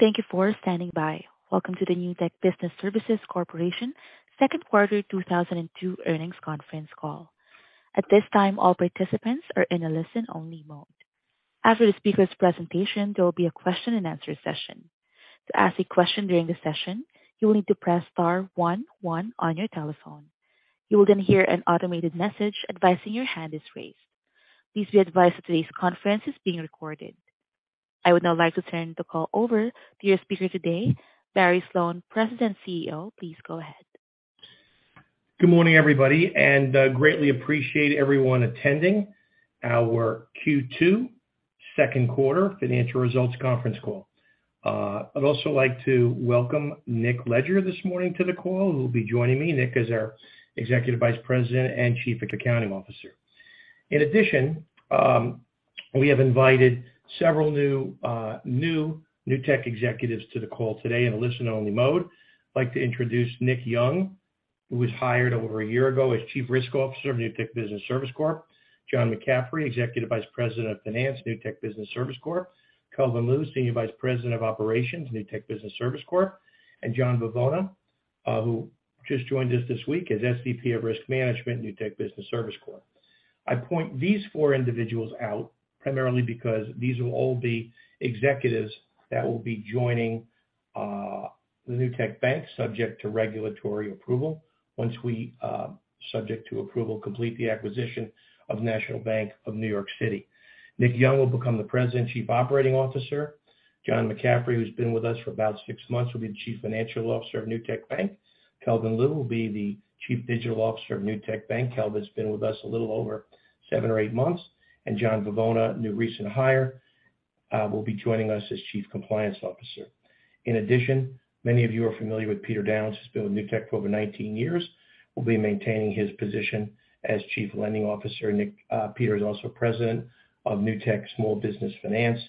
Thank you for standing by. Welcome to the Newtek Business Services Corp. Second Quarter 2022 Earnings Conference Call. At this time, all participants are in a listen-only mode. After the speaker's presentation, there will be a question-and-answer session. To ask a question during the session, you will need to press star one one on your telephone. You will then hear an automated message advising your hand is raised. Please be advised that today's conference is being recorded. I would now like to turn the call over to your speaker today, Barry Sloane, President, CEO. Please go ahead. Good morning, everybody, and greatly appreciate everyone attending our Q2 second quarter financial results conference call. I'd also like to welcome Nicholas Leger this morning to the call, who will be joining me. Nick is our Executive Vice President and Chief Accounting Officer. In addition, we have invited several new Newtek executives to the call today in a listen-only mode. I'd like to introduce Nicolas Young, who was hired over a year ago as Chief Risk Officer of Newtek Business Services Corp. John McCaffery, Executive Vice President of Finance, Newtek Business Services Corp. Kelvin Lui, Senior Vice President of Operations, Newtek Business Services Corp. John Bivona, who just joined us this week as SVP of Risk Management, Newtek Business Services Corp. I point these four individuals out primarily because these will all be executives that will be joining the Newtek Bank subject to regulatory approval. Once we subject to approval complete the acquisition of National Bank of New York City. Nicolas Young will become the President Chief Operating Officer. John McCaffery, who's been with us for about six months, will be the Chief Financial Officer of Newtek Bank. Kelvin Lui will be the Chief Digital Officer of Newtek Bank. Kelvin's been with us a little over seven or eight-months. John Bivona, a new recent hire, will be joining us as Chief Compliance Officer. In addition, many of you are familiar with Peter Downs, who's been with Newtek for over 19 years. We'll be maintaining his position as Chief Lending Officer. Peter is also President of Newtek Small Business Finance.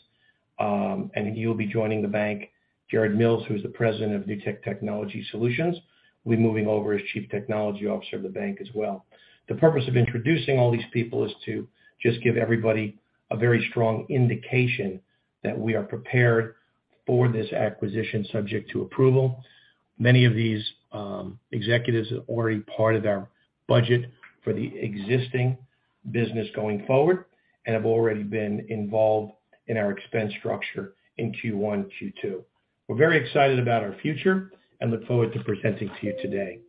He will be joining the bank. Jared Mills, who is the President of Newtek Technology Solutions, will be moving over as Chief Technology Officer of the bank as well. The purpose of introducing all these people is to just give everybody a very strong indication that we are prepared for this acquisition subject to approval. Many of these executives are already part of our budget for the existing business going forward and have already been involved in our expense structure in Q1, Q2. We're very excited about our future and look forward to presenting to you today.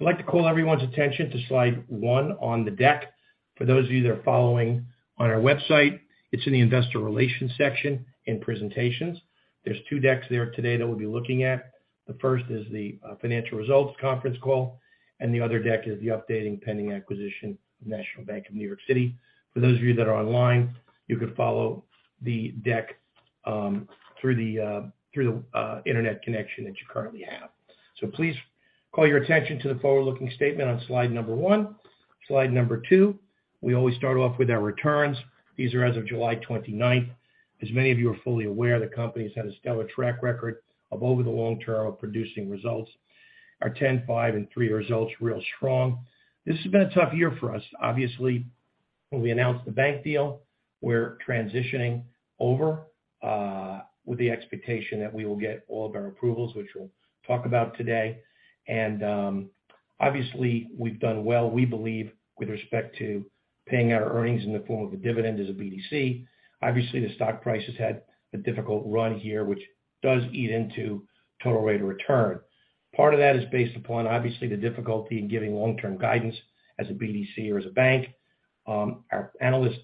I'd like to call everyone's attention to slide one on the deck. For those of you that are following on our website, it's in the investor relations section in presentations. There's two decks there today that we'll be looking at. The first is the financial results conference call, and the other deck is the updating pending acquisition of National Bank of New York City. For those of you that are online, you can follow the deck through the internet connection that you currently have. Please call your attention to the forward-looking statement on slide number one. Slide number two, we always start off with our returns. These are as of July 29. As many of you are fully aware, the company's had a stellar track record of over the long-term of producing results. Our ten, five, and three results, real strong. This has been a tough year for us. Obviously, when we announced the bank deal, we're transitioning over with the expectation that we will get all of our approvals, which we'll talk about today. Obviously, we've done well. We believe with respect to paying our earnings in the form of a dividend as a BDC. Obviously, the stock price has had a difficult run here, which does eat into total rate of return. Part of that is based upon obviously the difficulty in giving long-term guidance as a BDC or as a bank. Our analyst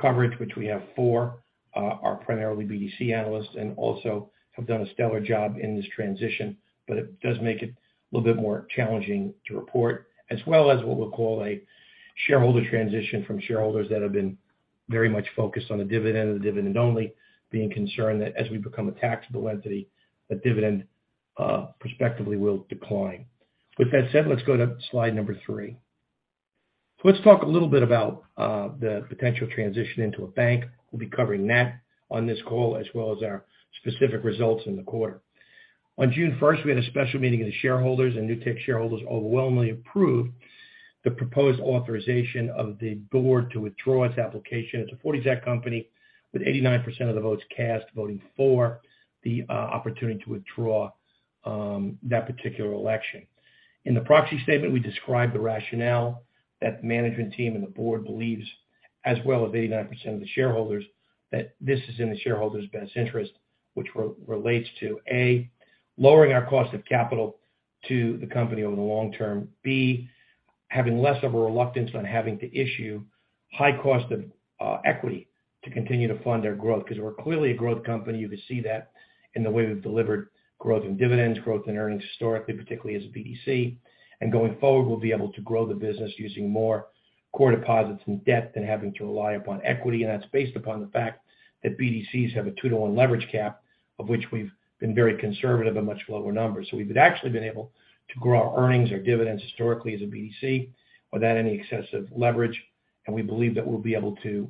coverage, which we have four, are primarily BDC analysts and also have done a stellar job in this transition. It does make it a little bit more challenging to report, as well as what we'll call a shareholder transition from shareholders that have been very much focused on the dividend and the dividend only being concerned that as we become a taxable entity, the dividend prospectively will decline. With that said, let's go to slide number. Let's talk a little bit about the potential transition into a bank. We'll be covering that on this call as well as our specific results in the quarter. On June first, we had a special meeting of the shareholders and Newtek shareholders overwhelmingly approved the proposed authorization of the board to withdraw its application. It's a 1940 Act company with 89% of the votes cast voting for the opportunity to withdraw that particular election. In the proxy statement, we described the rationale that the management team and the board believes, as well as 89% of the shareholders, that this is in the shareholders' best interest which relates to A, lowering our cost of capital to the company over the long-term. B, having less of a reluctance on having to issue high cost of equity to continue to fund their growth. Because we're clearly a growth company. You can see that in the way we've delivered growth in dividends, growth in earnings historically, particularly as a BDC. Going forward, we'll be able to grow the business using more core deposits and debt than having to rely upon equity. That's based upon the fact that BDCs have a two-to-one leverage cap, of which we've been very conservative and much lower numbers. We've actually been able to grow our earnings or dividends historically as a BDC without any excessive leverage. We believe that we'll be able to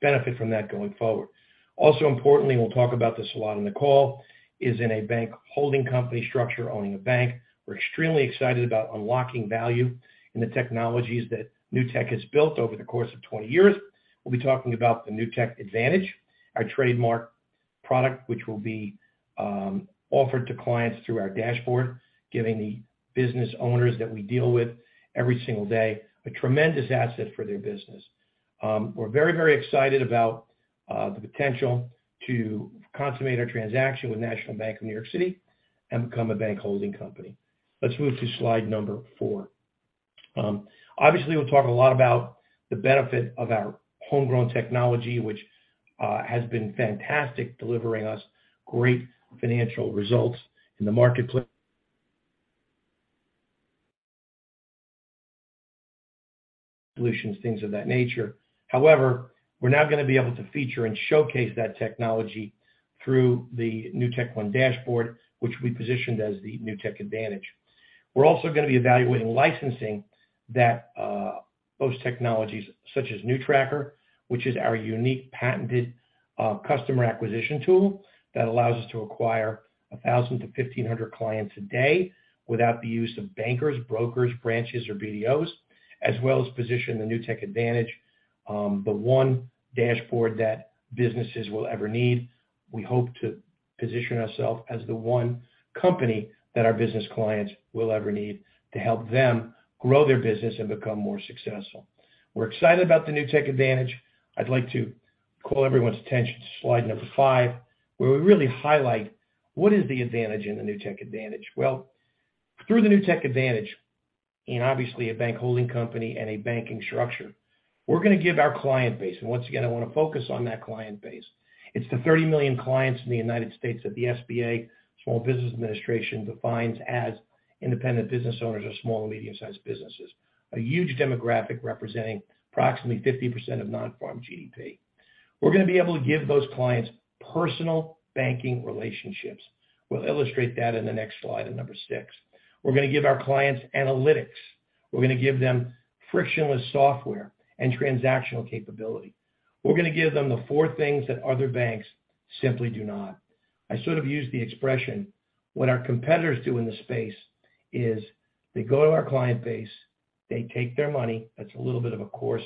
benefit from that going forward. Also importantly, we'll talk about this a lot in the call, is in a bank holding company structure owning a bank. We're extremely excited about unlocking value in the technologies that Newtek has built over the course of 20 years. We'll be talking about the Newtek Advantage, our trademark product which will be offered to clients through our dashboard, giving the business owners that we deal with every single day a tremendous asset for their business. We're very, very excited about the potential to consummate our transaction with National Bank of New York City and become a bank holding company. Let's move to slide number four. Obviously, we'll talk a lot about the benefit of our homegrown technology, which has been fantastic, delivering us great financial results in the marketplace solutions, things of that nature. However, we're now gonna be able to feature and showcase that technology through the NewtekOne dashboard, which we positioned as the Newtek Advantage. We're also gonna be evaluating licensing that those technologies such as NewTracker, which is our unique patented customer acquisition tool that allows us to acquire 1,000-1,500 clients a day without the use of bankers, brokers, branches, or BDOs, as well as position the Newtek Advantage, the one dashboard that businesses will ever need. We hope to position ourselves as the one company that our business clients will ever need to help them grow their business and become more successful. We're excited about the Newtek Advantage. I'd like to call everyone's attention to slide number five, where we really highlight what is the advantage in the Newtek Advantage. Well, through the Newtek Advantage, and obviously a bank holding company and a banking structure, we're gonna give our client base. Once again, I wanna focus on that client base. It's the 30 million clients in the United States that the SBA, Small Business Administration, defines as independent business owners of small or medium-sized businesses. A huge demographic representing approximately 50% of non-farm GDP. We're gonna be able to give those clients personal banking relationships. We'll illustrate that in the next slide, in number six. We're gonna give our clients analytics. We're gonna give them frictionless software and transactional capability. We're gonna give them the four things that other banks simply do not. I sort of use the expression, what our competitors do in the space is they go to our client base, they take their money. That's a little bit of a coarse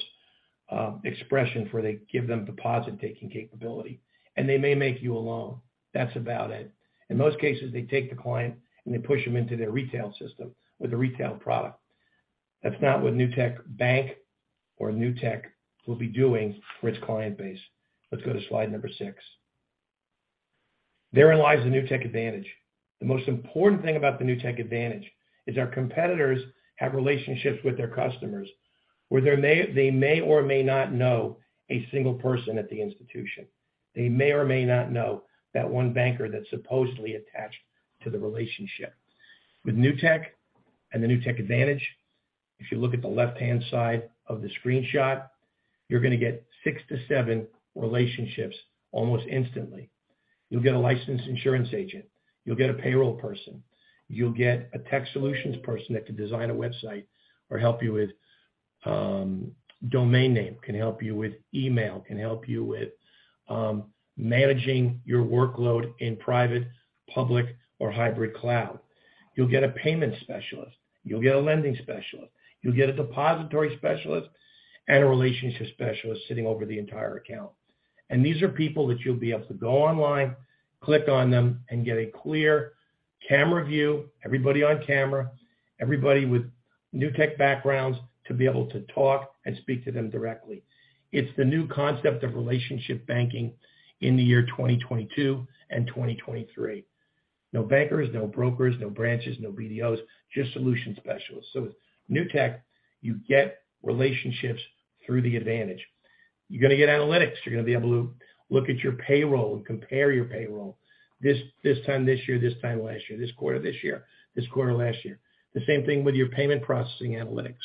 expression, for they give them deposit-taking capability. They may make you a loan. That's about it. In most cases, they take the client, and they push them into their retail system with a retail product. That's not what Newtek Bank or Newtek will be doing for its client base. Let's go to slide number six. Therein lies the Newtek Advantage. The most important thing about the Newtek Advantage is our competitors have relationships with their customers where they may or may not know a single person at the institution. They may or may not know that one banker that's supposedly attached to the relationship. With Newtek and the Newtek Advantage, if you look at the left-hand side of the screenshot, you're gonna get 6-7 relationships almost instantly. You'll get a licensed insurance agent, you'll get a payroll person, you'll get a tech solutions person that can design a website or help you with domain name, can help you with email, can help you with managing your workload in private, public, or hybrid cloud. You'll get a payment specialist, you'll get a lending specialist, you'll get a depository specialist, and a relationship specialist sitting over the entire account. These are people that you'll be able to go online, click on them, and get a clear camera view, everybody on camera, everybody with Newtek backgrounds to be able to talk and speak to them directly. It's the new concept of relationship banking in the year 2022 and 2023. No bankers, no brokers, no branches, no BDOs, just solution specialists. With Newtek, you get relationships through the advantage. You're gonna get analytics. You're gonna be able to look at your payroll and compare your payroll this time this year, this time last year, this quarter this year, this quarter last year. The same thing with your payment processing analytics.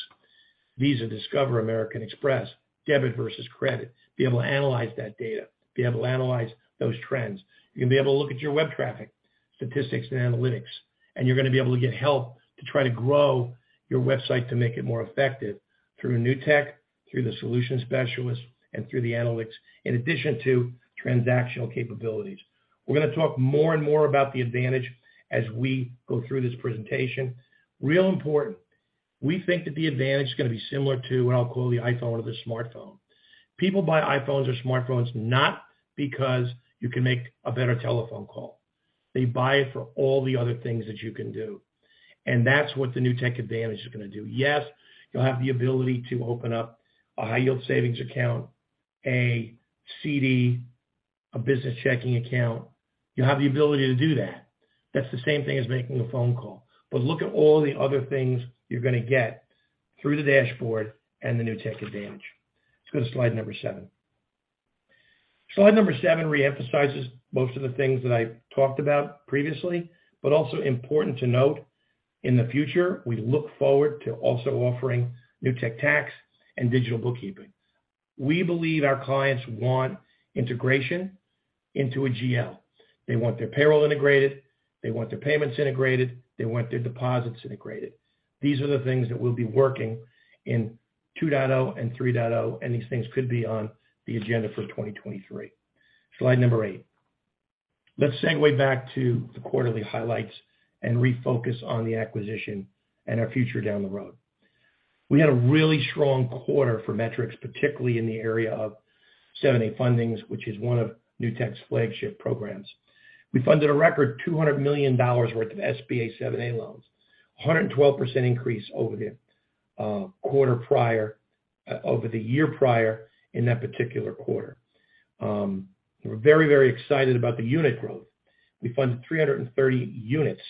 Visa, Discover, American Express, debit versus credit. Be able to analyze that data, be able to analyze those trends. You're gonna be able to look at your web traffic statistics and analytics, and you're gonna be able to get help to try to grow your website to make it more effective through Newtek, through the solution specialists, and through the analytics, in addition to transactional capabilities. We're gonna talk more and more about the advantage as we go through this presentation. Real important. We think that the advantage is gonna be similar to what I'll call the iPhone or the smartphone. People buy iPhones or smartphones not because you can make a better telephone call. They buy it for all the other things that you can do, and that's what the Newtek Advantage is gonna do. Yes, you'll have the ability to open up a high-yield savings account, a CD, a business checking account. You'll have the ability to do that. That's the same thing as making a phone call. Look at all the other things you're gonna get through the dashboard and the Newtek Advantage. Let's go to slide number seven. Slide number seven reemphasizes most of the things that I talked about previously, but also important to note, in the future, we look forward to also offering Newtek Tax and digital bookkeeping. We believe our clients want integration into a GL. They want their payroll integrated, they want their payments integrated, they want their deposits integrated. These are the things that we'll be working in 2.0 and 3.0, and these things could be on the agenda for 2023. Slide number eight. Let's segue back to the quarterly highlights and refocus on the acquisition and our future down the road. We had a really strong quarter for metrics, particularly in the area of 7(a) fundings, which is one of Newtek's flagship programs. We funded a record $200 million worth of SBA 7(a) loans, 112% increase over the year prior in that particular quarter. We're very, very excited about the unit growth. We funded 330 units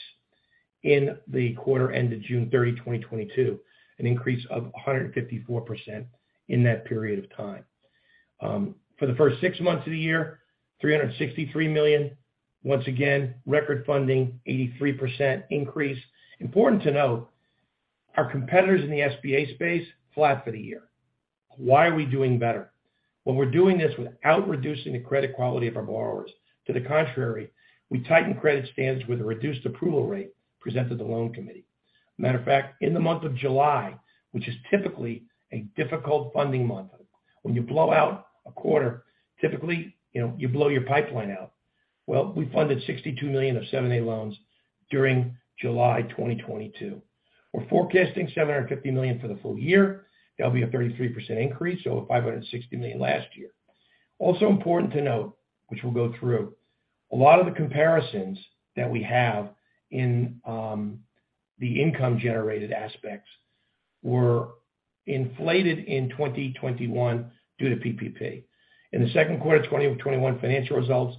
in the quarter ended June 30, 2022, an increase of 154% in that period of time. For the first six months of the year, $363 million. Once again, record funding, 83% increase. Important to note, our competitors in the SBA space, flat for the year. Why are we doing better? Well, we're doing this without reducing the credit quality of our borrowers. To the contrary, we tightened credit standards with a reduced approval rate presented to the loan committee. Matter of fact, in the month of July, which is typically a difficult funding month, when you blow out a quarter, typically, you know, you blow your pipeline out. Well, we funded $62 million of 7(a) loans during July 2022. We're forecasting $750 million for the full year. That'll be a 33% increase over $560 million last year. Important to note, which we'll go through, a lot of the comparisons that we have in the income-generated aspects were inflated in 2021 due to PPP. In the second quarter of 2021 financial results,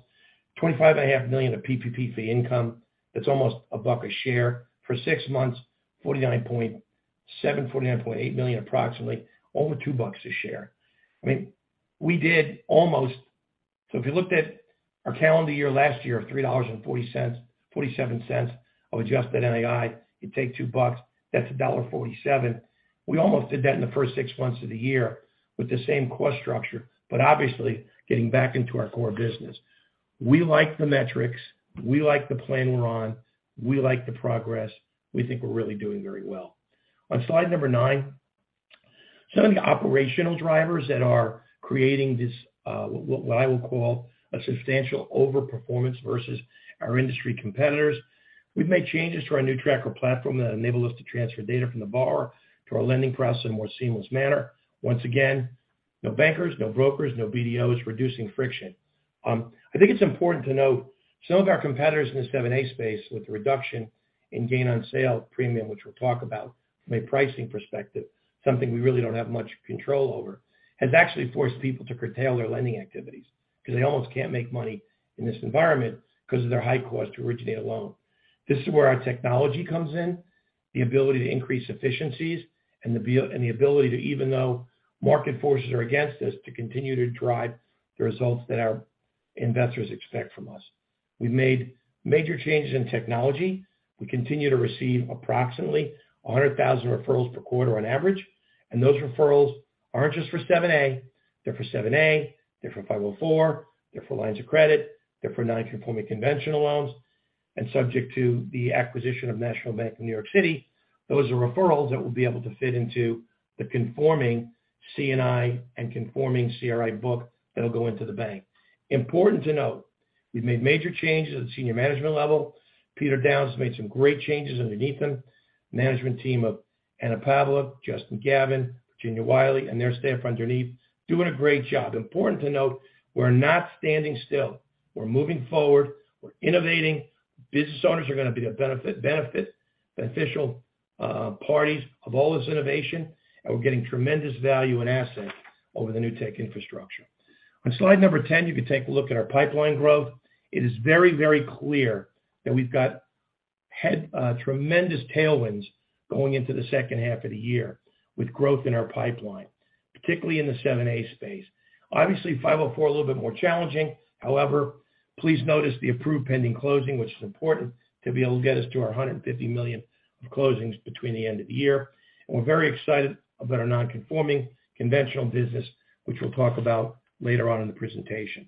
$25.5 million of PPP fee income. That's almost $1 a share. For six months, 49.8 million, approximately, over $2 a share. I mean, we did almost. So if you looked at our calendar year last year of $3.47 of adjusted NII, you take $2, that's $1.47. We almost did that in the first six months of the year with the same cost structure. Obviously, getting back into our core business. We like the metrics. We like the plan we're on. We like the progress. We think we're really doing very well. On slide number nine, some of the operational drivers that are creating this, what I will call a substantial overperformance versus our industry competitors. We've made changes to our NewTracker platform that enable us to transfer data from the borrower to our lending process in a more seamless manner. Once again, no bankers, no brokers, no BDOs reducing friction. I think it's important to note some of our competitors in the 7(a) space with the reduction in gain on sale premium, which we'll talk about from a pricing perspective, something we really don't have much control over, has actually forced people to curtail their lending activities because they almost can't make money in this environment because of their high cost to originate a loan. This is where our technology comes in, the ability to increase efficiencies and the ability to, even though market forces are against us, to continue to drive the results that our investors expect from us. We've made major changes in technology. We continue to receive approximately 100,000 referrals per quarter on average. Those referrals aren't just for 7(a). They're for 7(a). They're for 504. They're for lines of credit. They're for non-conforming conventional loans. Subject to the acquisition of National Bank of New York City, those are referrals that we'll be able to fit into the conforming C&I and conforming CRE book that'll go into the bank. Important to note, we've made major changes at the senior management level. Peter Downs has made some great changes underneath him. Management team of Anna Pavlova, Justin Gavin, Virginia Wiley, and their staff underneath doing a great job. Important to note, we're not standing still. We're moving forward. We're innovating. Business owners are gonna be beneficial parties of all this innovation. We're getting tremendous value and assets over the Newtek infrastructure. On slide number ten, you can take a look at our pipeline growth. It is very, very clear that we've got tremendous tailwinds going into the second half of the year with growth in our pipeline, particularly in the 7(a) space. Obviously, 504, a little bit more challenging. However, please notice the approved pending closing, which is important to be able to get us to our $150 million of closings between the end of the year. We're very excited about our non-conforming conventional business, which we'll talk about later on in the presentation.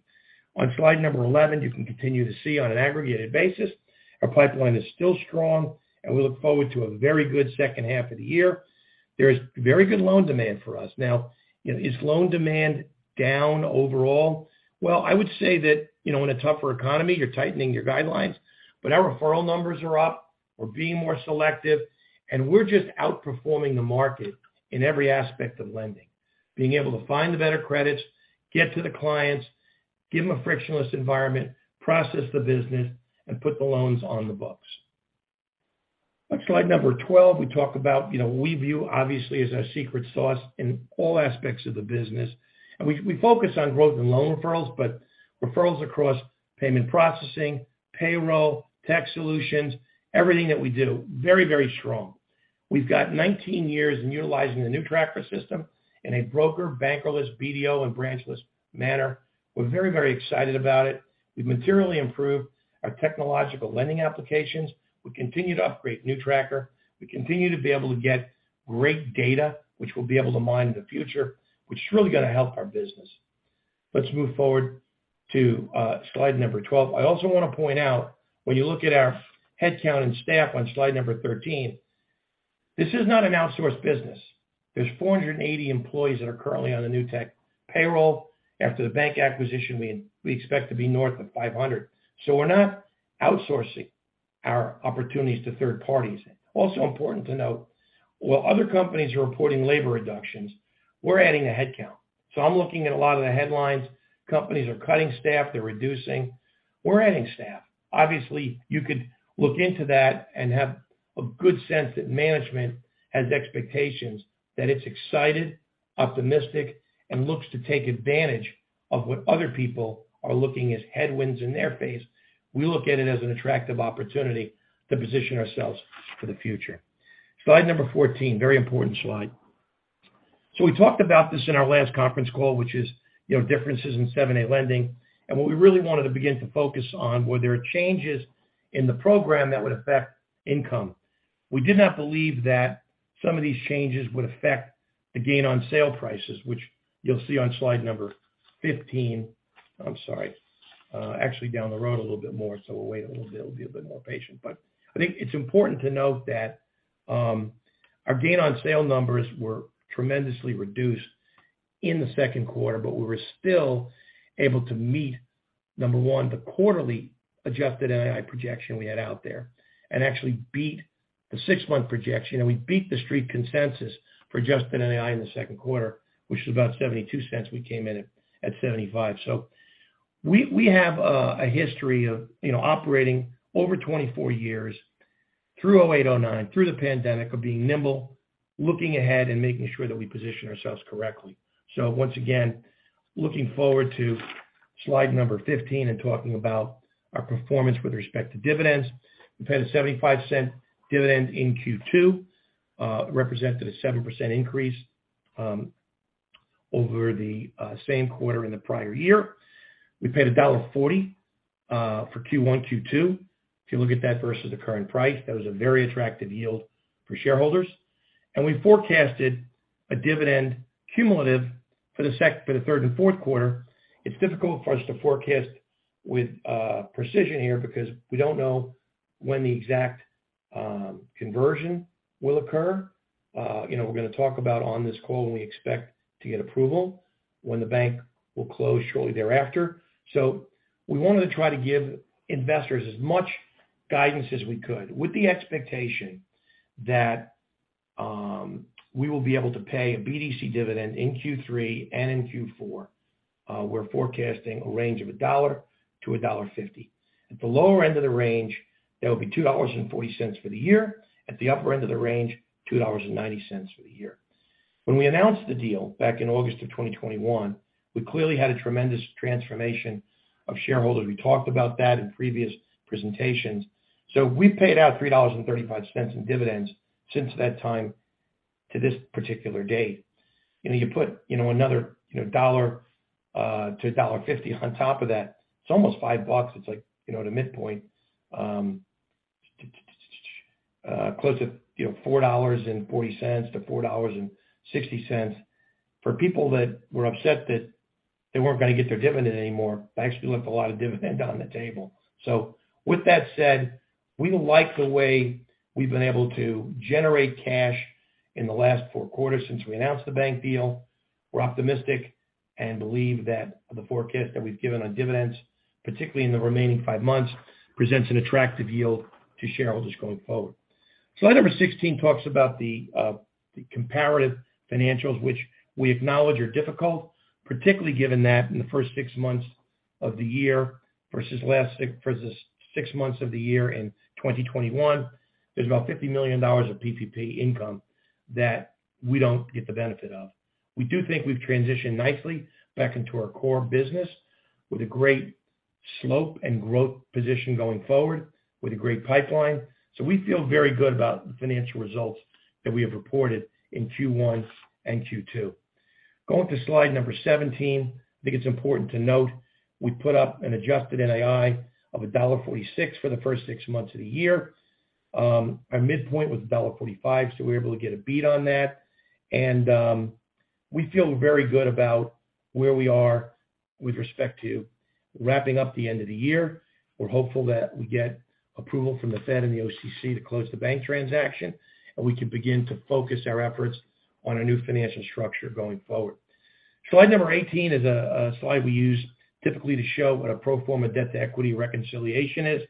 On slide number 11, you can continue to see on an aggregated basis, our pipeline is still strong, and we look forward to a very good second half of the year. There is very good loan demand for us. Now, you know, is loan demand down overall? Well, I would say that, you know, in a tougher economy, you're tightening your guidelines. But our referral numbers are up. We're being more selective. We're just outperforming the market in every aspect of lending, being able to find the better credits, get to the clients, give them a frictionless environment, process the business, and put the loans on the books. On slide number 12, we talk about, you know, we view obviously as our secret sauce in all aspects of the business. We focus on growth in loan referrals, but referrals across payment processing, payroll, tax solutions, everything that we do, very, very strong. We've got 19-years in utilizing the NewTracker system in a broker, bankerless, BDO, and branchless manner. We're very, very excited about it. We've materially improved our technological lending applications. We continue to upgrade NewTracker. We continue to be able to get great data, which we'll be able to mine in the future, which is really gonna help our business. Let's move forward to slide number 12. I also wanna point out when you look at our headcount and staff on slide number 13. This is not an outsourced business. There's 480 employees that are currently on the Newtek payroll. After the bank acquisition, we expect to be north of 500. We're not outsourcing our opportunities to third parties. Also important to note, while other companies are reporting labor reductions, we're adding a headcount. I'm looking at a lot of the headlines. Companies are cutting staff, they're reducing. We're adding staff. Obviously, you could look into that and have a good sense that management has expectations that it's excited, optimistic, and looks to take advantage of what other people are looking as headwinds in their face. We look at it as an attractive opportunity to position ourselves for the future. Slide number 14, very important slide. We talked about this in our last conference call, which is, you know, differences in 7(a) lending. What we really wanted to begin to focus on were there changes in the program that would affect income. We did not believe that some of these changes would affect the gain on sale prices, which you'll see on slide number 15. I'm sorry. Actually down the road a little bit more, we'll wait a little bit. We'll be a bit more patient. I think it's important to note that, our gain on sale numbers were tremendously reduced in the second quarter, but we were still able to meet, number one, the quarterly adjusted NII projection we had out there and actually beat the six-month projection. We beat the street consensus for adjusted NII in the second quarter, which is about $0.72. We came in at $0.75. We have a history of, you know, operating over 24 years through 2008, 2009, through the pandemic of being nimble, looking ahead and making sure that we position ourselves correctly. Once again, looking forward to slide number 15 and talking about our performance with respect to dividends. We paid a $0.75 dividend in Q2, represented a 7% increase, over the same quarter in the prior year. We paid $1.40 for Q1, Q2. If you look at that versus the current price, that was a very attractive yield for shareholders. We forecasted a dividend cumulative for the third and fourth quarter. It's difficult for us to forecast with precision here because we don't know when the exact conversion will occur. You know, we're gonna talk about on this call when we expect to get approval, when the bank will close shortly thereafter. We wanted to try to give investors as much guidance as we could with the expectation that we will be able to pay a BDC dividend in Q3 and in Q4. We're forecasting a range of $1-$1.50. At the lower end of the range, that would be $2.40 for the year. At the upper end of the range, $2.90 for the year. When we announced the deal back in August of 2021, we clearly had a tremendous transformation of shareholders. We talked about that in previous presentations. We've paid out $3.35 in dividends since that time to this particular date. You know, you put, you know, another, you know, $1-$1.50 on top of that, it's almost $5. It's like, you know, at a mid-point, close to, you know, $4.40-$4.60. For people that were upset that they weren't gonna get their dividend anymore, I actually left a lot of dividend on the table. With that said, we like the way we've been able to generate cash in the last four quarters since we announced the bank deal. We're optimistic and believe that the forecast that we've given on dividends, particularly in the remaining five months, presents an attractive yield to shareholders going forward. Slide number 16 talks about the comparative financials, which we acknowledge are difficult, particularly given that in the first six months of the year versus last six months of the year in 2021, there's about $50 million of PPP income that we don't get the benefit of. We do think we've transitioned nicely back into our core business with a great slope and growth position going forward with a great pipeline. We feel very good about the financial results that we have reported in Q1 and Q2. Going to slide 17, I think it's important to note we put up an adjusted NII of $1.46 for the first six months of the year. Our mid-point was $1.45, so we were able to get a beat on that. We feel very good about where we are with respect to wrapping up the end of the year. We're hopeful that we get approval from the Fed and the OCC to close the bank transaction, and we can begin to focus our efforts on a new financial structure going forward. Slide 18 is a slide we use typically to show what a pro forma debt-to-equity reconciliation is.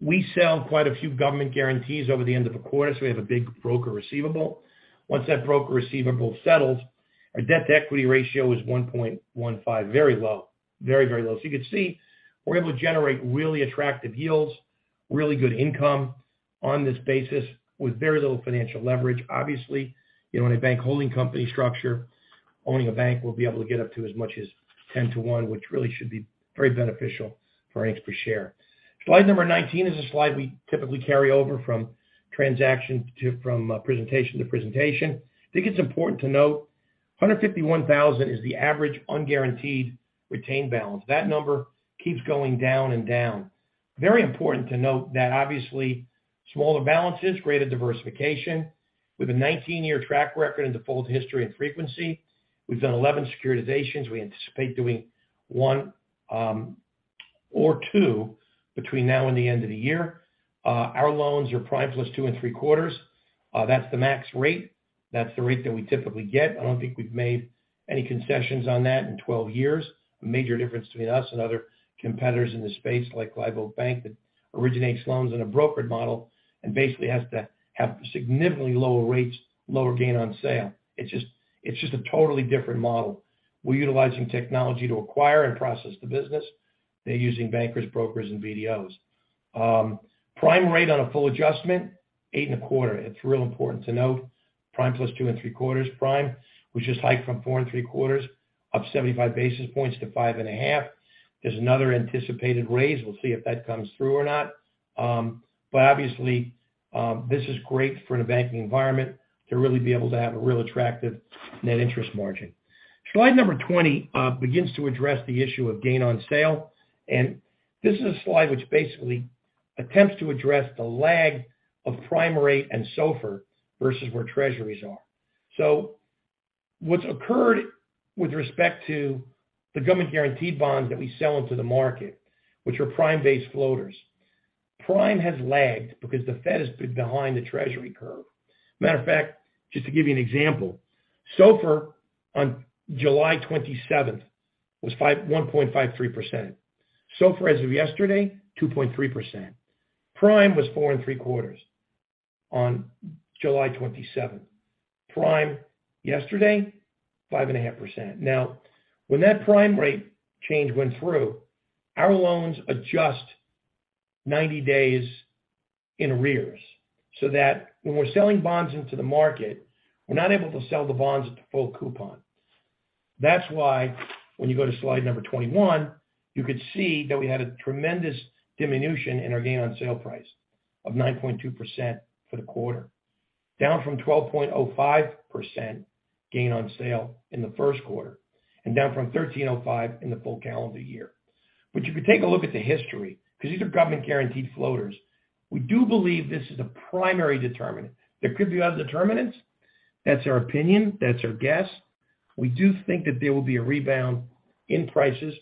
We sell quite a few government guarantees over the end of a quarter, so we have a big broker receivable. Once that broker receivable settles, our debt-to-equity ratio is 1.15. Very low. Very, very low. You can see we're able to generate really attractive yields, really good income on this basis with very little financial leverage. Obviously, you know, in a bank holding company structure, owning a bank, we'll be able to get up to as much as 10-to-1, which really should be very beneficial for earnings per share. Slide number 19 is a slide we typically carry over from presentation to presentation. I think it's important to note 151,000 is the average unguaranteed retained balance. That number keeps going down and down. Very important to note that obviously smaller balances, greater diversification. With a 19-year track record in default history and frequency, we've done 11 securitizations. We anticipate doing one or two between now and the end of the year. Our loans are prime +2.75. That's the max rate. That's the rate that we typically get. I don't think we've made any concessions on that in 12 years. A major difference between us and other competitors in this space like Live Oak Bank that originates loans in a brokered model and basically has to have significantly lower rates, lower gain on sale. It's just a totally different model. We're utilizing technology to acquire and process the business. They're using bankers, brokers, and BDOs. Prime rate on a full adjustment, 8.25. It's real important to note prime +2.75 prime, which is hiked from 4.75 up 75 basis points to 5.5. There's another anticipated raise. We'll see if that comes through or not. This is great for the banking environment to really be able to have a real attractive net interest margin. Slide number 20 begins to address the issue of gain on sale. This is a slide which basically attempts to address the lag of prime rate and SOFR versus where Treasuries are. What's occurred with respect to the government guaranteed bonds that we sell into the market, which are prime-based floaters. Prime has lagged because the Fed has been behind the Treasury curve. Matter of fact, just to give you an example, SOFR on July 27 was 1.53%. SOFR as of yesterday, 2.3%. Prime was 4.75 on July 27. Prime yesterday, 5.5%. Now, when that prime rate change went through, our loans adjust 90 days in arrears so that when we're selling bonds into the market, we're not able to sell the bonds at the full coupon. That's why when you go to slide number 21, you could see that we had a tremendous diminution in our gain on sale price of 9.2% for the quarter, down from 12.05% gain on sale in the first quarter and down from 13.05% in the full calendar year. You can take a look at the history because these are government guaranteed floaters. We do believe this is a primary determinant. There could be other determinants. That's our opinion. That's our guess. We do think that there will be a rebound in prices,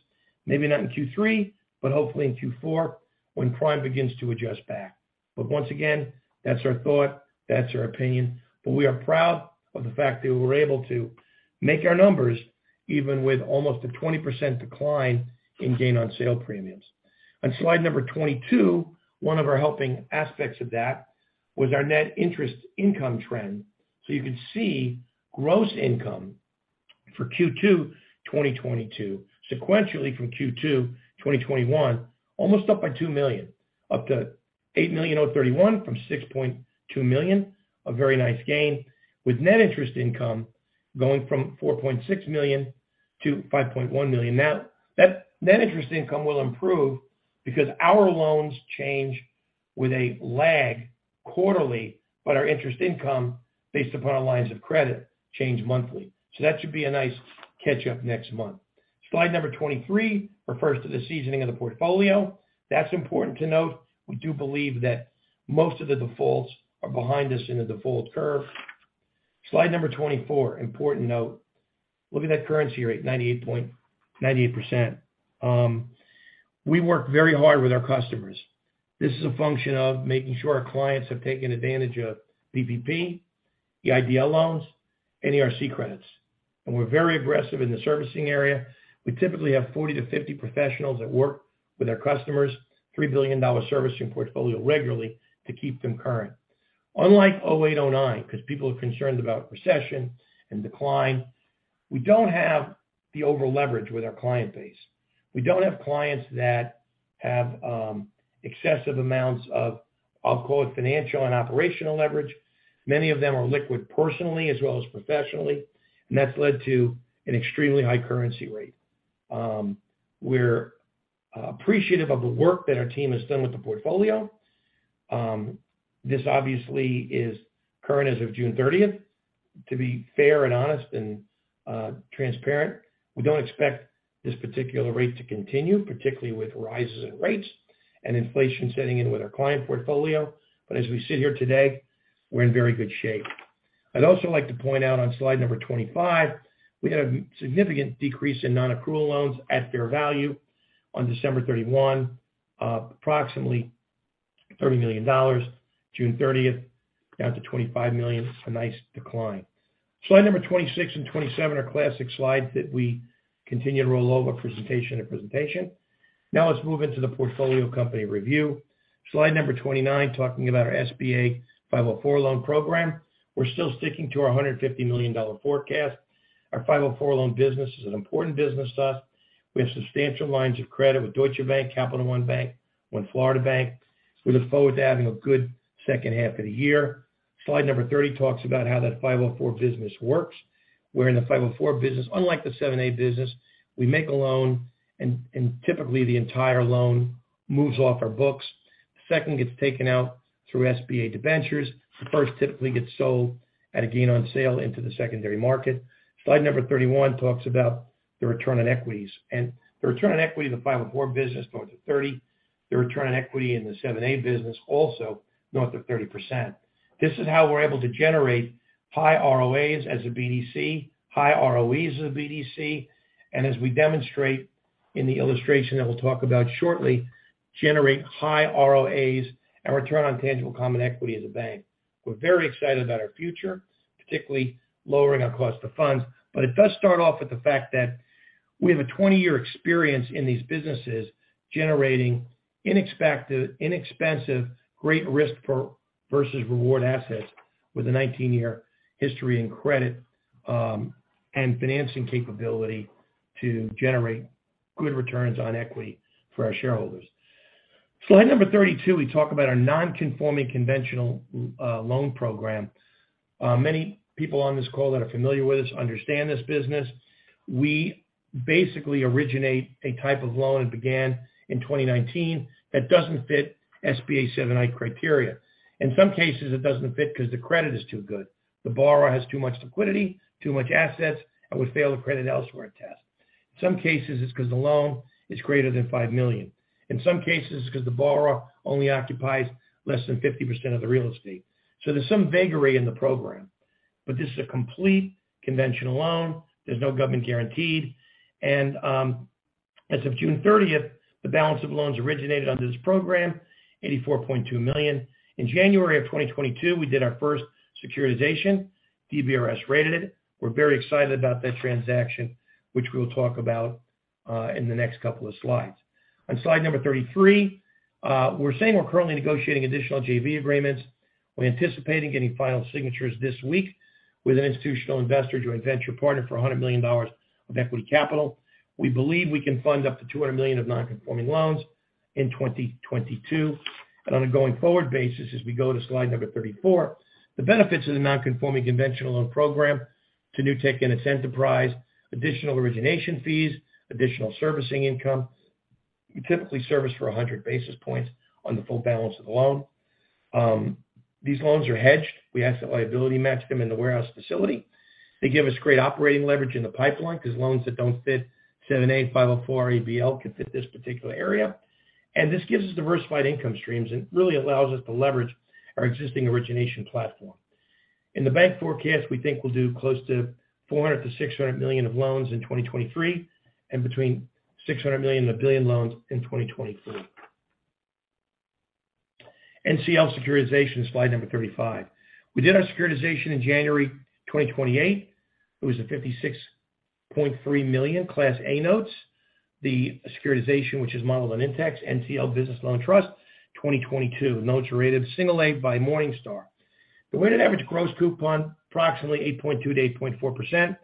maybe not in Q3, but hopefully in Q4 when prime begins to adjust back. Once again, that's our thought, that's our opinion. We are proud of the fact that we were able to make our numbers even with almost a 20% decline in gain on sale premiums. On slide number 22, one of our helping aspects of that was our net interest income trend. You can see gross income for Q2 2022 sequentially from Q2 2021, almost up by $2 million, up to $8.031 million from $6.2 million. A very nice gain with net interest income going from $4.6 million-$5.1 million. Now that net interest income will improve because our loans change with a lag quarterly, but our interest income based upon our lines of credit change monthly. That should be a nice catch up next month. Slide number 23 refers to the seasoning of the portfolio. That's important to note. We do believe that most of the defaults are behind us in the default curve. Slide number 24, important note. Look at that cure rate, 98%. We work very hard with our customers. This is a function of making sure our clients have taken advantage of PPP, EIDL loans, and ERC credits. We're very aggressive in the servicing area. We typically have 40-50 professionals that work with our customers, $3 billion servicing portfolio, regularly to keep them current. Unlike 2008, 2009, because people are concerned about recession and decline, we don't have the over leverage with our client base. We don't have clients that have excessive amounts of, I'll call it financial and operational leverage. Many of them are liquid personally as well as professionally, and that's led to an extremely high cure rate. We're appreciative of the work that our team has done with the portfolio. This obviously is current as of June 30. To be fair and honest and transparent, we don't expect this particular rate to continue, particularly with rises in rates and inflation setting in with our client portfolio. As we sit here today, we're in very good shape. I'd also like to point out on slide number 25, we had a significant decrease in non-accrual loans at fair value on December 31, approximately $30 million. June 30th, down to $25 million. It's a nice decline. Slide number 26 and 27 are classic slides that we continue to roll over presentation to presentation. Now let's move into the portfolio company review. Slide number 29, talking about our SBA 504 loan program. We're still sticking to our $150 million forecast. Our 504 loan business is an important business to us. We have substantial lines of credit with Deutsche Bank, Capital One Bank, One Florida Bank. We look forward to having a good second half of the year. Slide number 30 talks about how that 504 business works, where in the 504 business, unlike the 7(a) business, we make a loan and typically the entire loan moves off our books. The second gets taken out through SBA debentures. The first typically gets sold at a gain on sale into the secondary market. Slide number 31 talks about the return on equities. The return on equity in the 504 business going to 30%. The return on equity in the 7(a) business also north of 30%. This is how we're able to generate high ROAs as a BDC, high ROEs as a BDC, and as we demonstrate in the illustration that we'll talk about shortly, generate high ROAs and return on tangible common equity as a bank. We're very excited about our future, particularly lowering our cost of funds. It does start off with the fact that we have a 20-year experience in these businesses generating unexpected, inexpensive, great risk versus reward assets with a 19-year history and credit, and financing capability to generate good returns on equity for our shareholders. Slide number 32, we talk about our non-conforming conventional loan program. Many people on this call that are familiar with us understand this business. We basically originate a type of loan that began in 2019 that doesn't fit SBA 7(a) criteria. In some cases, it doesn't fit because the credit is too good. The borrower has too much liquidity, too much assets, and would fail the credit elsewhere test. In some cases, it's because the loan is greater than $5 million. In some cases, it's because the borrower only occupies less than 50% of the real estate. There's some vagary in the program. This is a complete conventional loan. There's no government guaranteed. As of June thirtieth, the balance of loans originated under this program, $84.2 million. In January of 2022, we did our first securitization, DBRS rated. We're very excited about that transaction, which we'll talk about in the next couple of slides. On slide number 33, we're saying we're currently negotiating additional JV agreements. We're anticipating getting final signatures this week with an institutional investor joint venture partner for $100 million of equity capital. We believe we can fund up to $200 million of non-conforming loans in 2022. On a going forward basis, as we go to slide number 34, the benefits of the non-conforming conventional loan program to Newtek and its enterprise, additional origination fees, additional servicing income. We typically service for 100 basis points on the full balance of the loan. These loans are hedged. We asset liability match them in the warehouse facility. They give us great operating leverage in the pipeline because loans that don't fit 7(a), 504 ABL could fit this particular area. This gives us diversified income streams and really allows us to leverage our existing origination platform. In the bank forecast, we think we'll do close to $400 million-$600 million of loans in 2023 and between $600 million and $1 billion loans in 2024. NCL securitization is slide number 35. We did our securitization in January 2028. It was a $56.3 million Class A notes. The securitization, which is modeled on Intex, NCL Business Loan Trust 2022. The notes are rated single A by Morningstar. The weighted average gross coupon, approximately 8.2%-8.4%.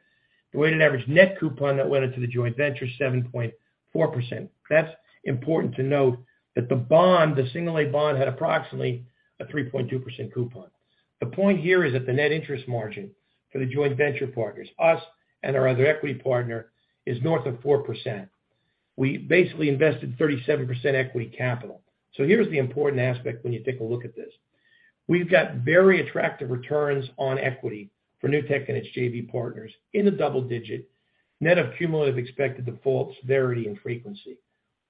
The weighted average net coupon that went into the joint venture, 7.4%. That's important to note that the bond, the single-A bond, had approximately a 3.2% coupon. The point here is that the net interest margin for the joint venture partners, us and our other equity partner, is north of 4%. We basically invested 37% equity capital. Here's the important aspect when you take a look at this. We've got very attractive returns on equity for Newtek and its JV partners in the double-digit, net of cumulative expected defaults, severity, and frequency.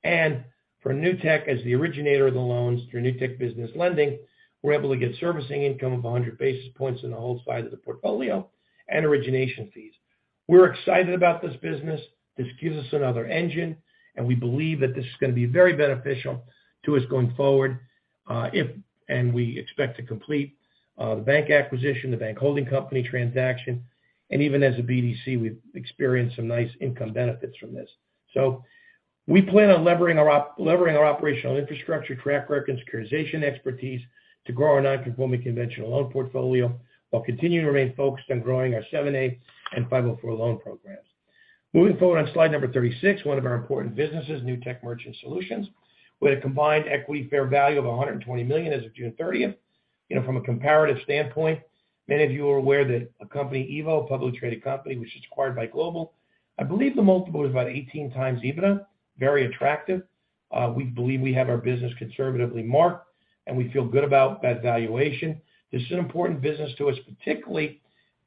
For Newtek, as the originator of the loans through Newtek Business Lending, we're able to get servicing income of 100 basis points on the wholesale side of the portfolio and origination fees. We're excited about this business. This gives us another engine, and we believe that this is going to be very beneficial to us going forward. We expect to complete the bank acquisition, the bank holding company transaction, and even as a BDC, we've experienced some nice income benefits from this. We plan on levering our operational infrastructure, track record, and securitization expertise to grow our non-conforming conventional loan portfolio while continuing to remain focused on growing our 7(a) and 504 loan programs. Moving forward on slide number 36, one of our important businesses, Newtek Merchant Solutions, with a combined equity fair value of $120 million as of June 30th. You know, from a comparative standpoint, many of you are aware that a company, EVO, a publicly traded company, which is acquired by Global, I believe the multiple is about 18x EBITDA, very attractive. We believe we have our business conservatively marked, and we feel good about that valuation. This is an important business to us, particularly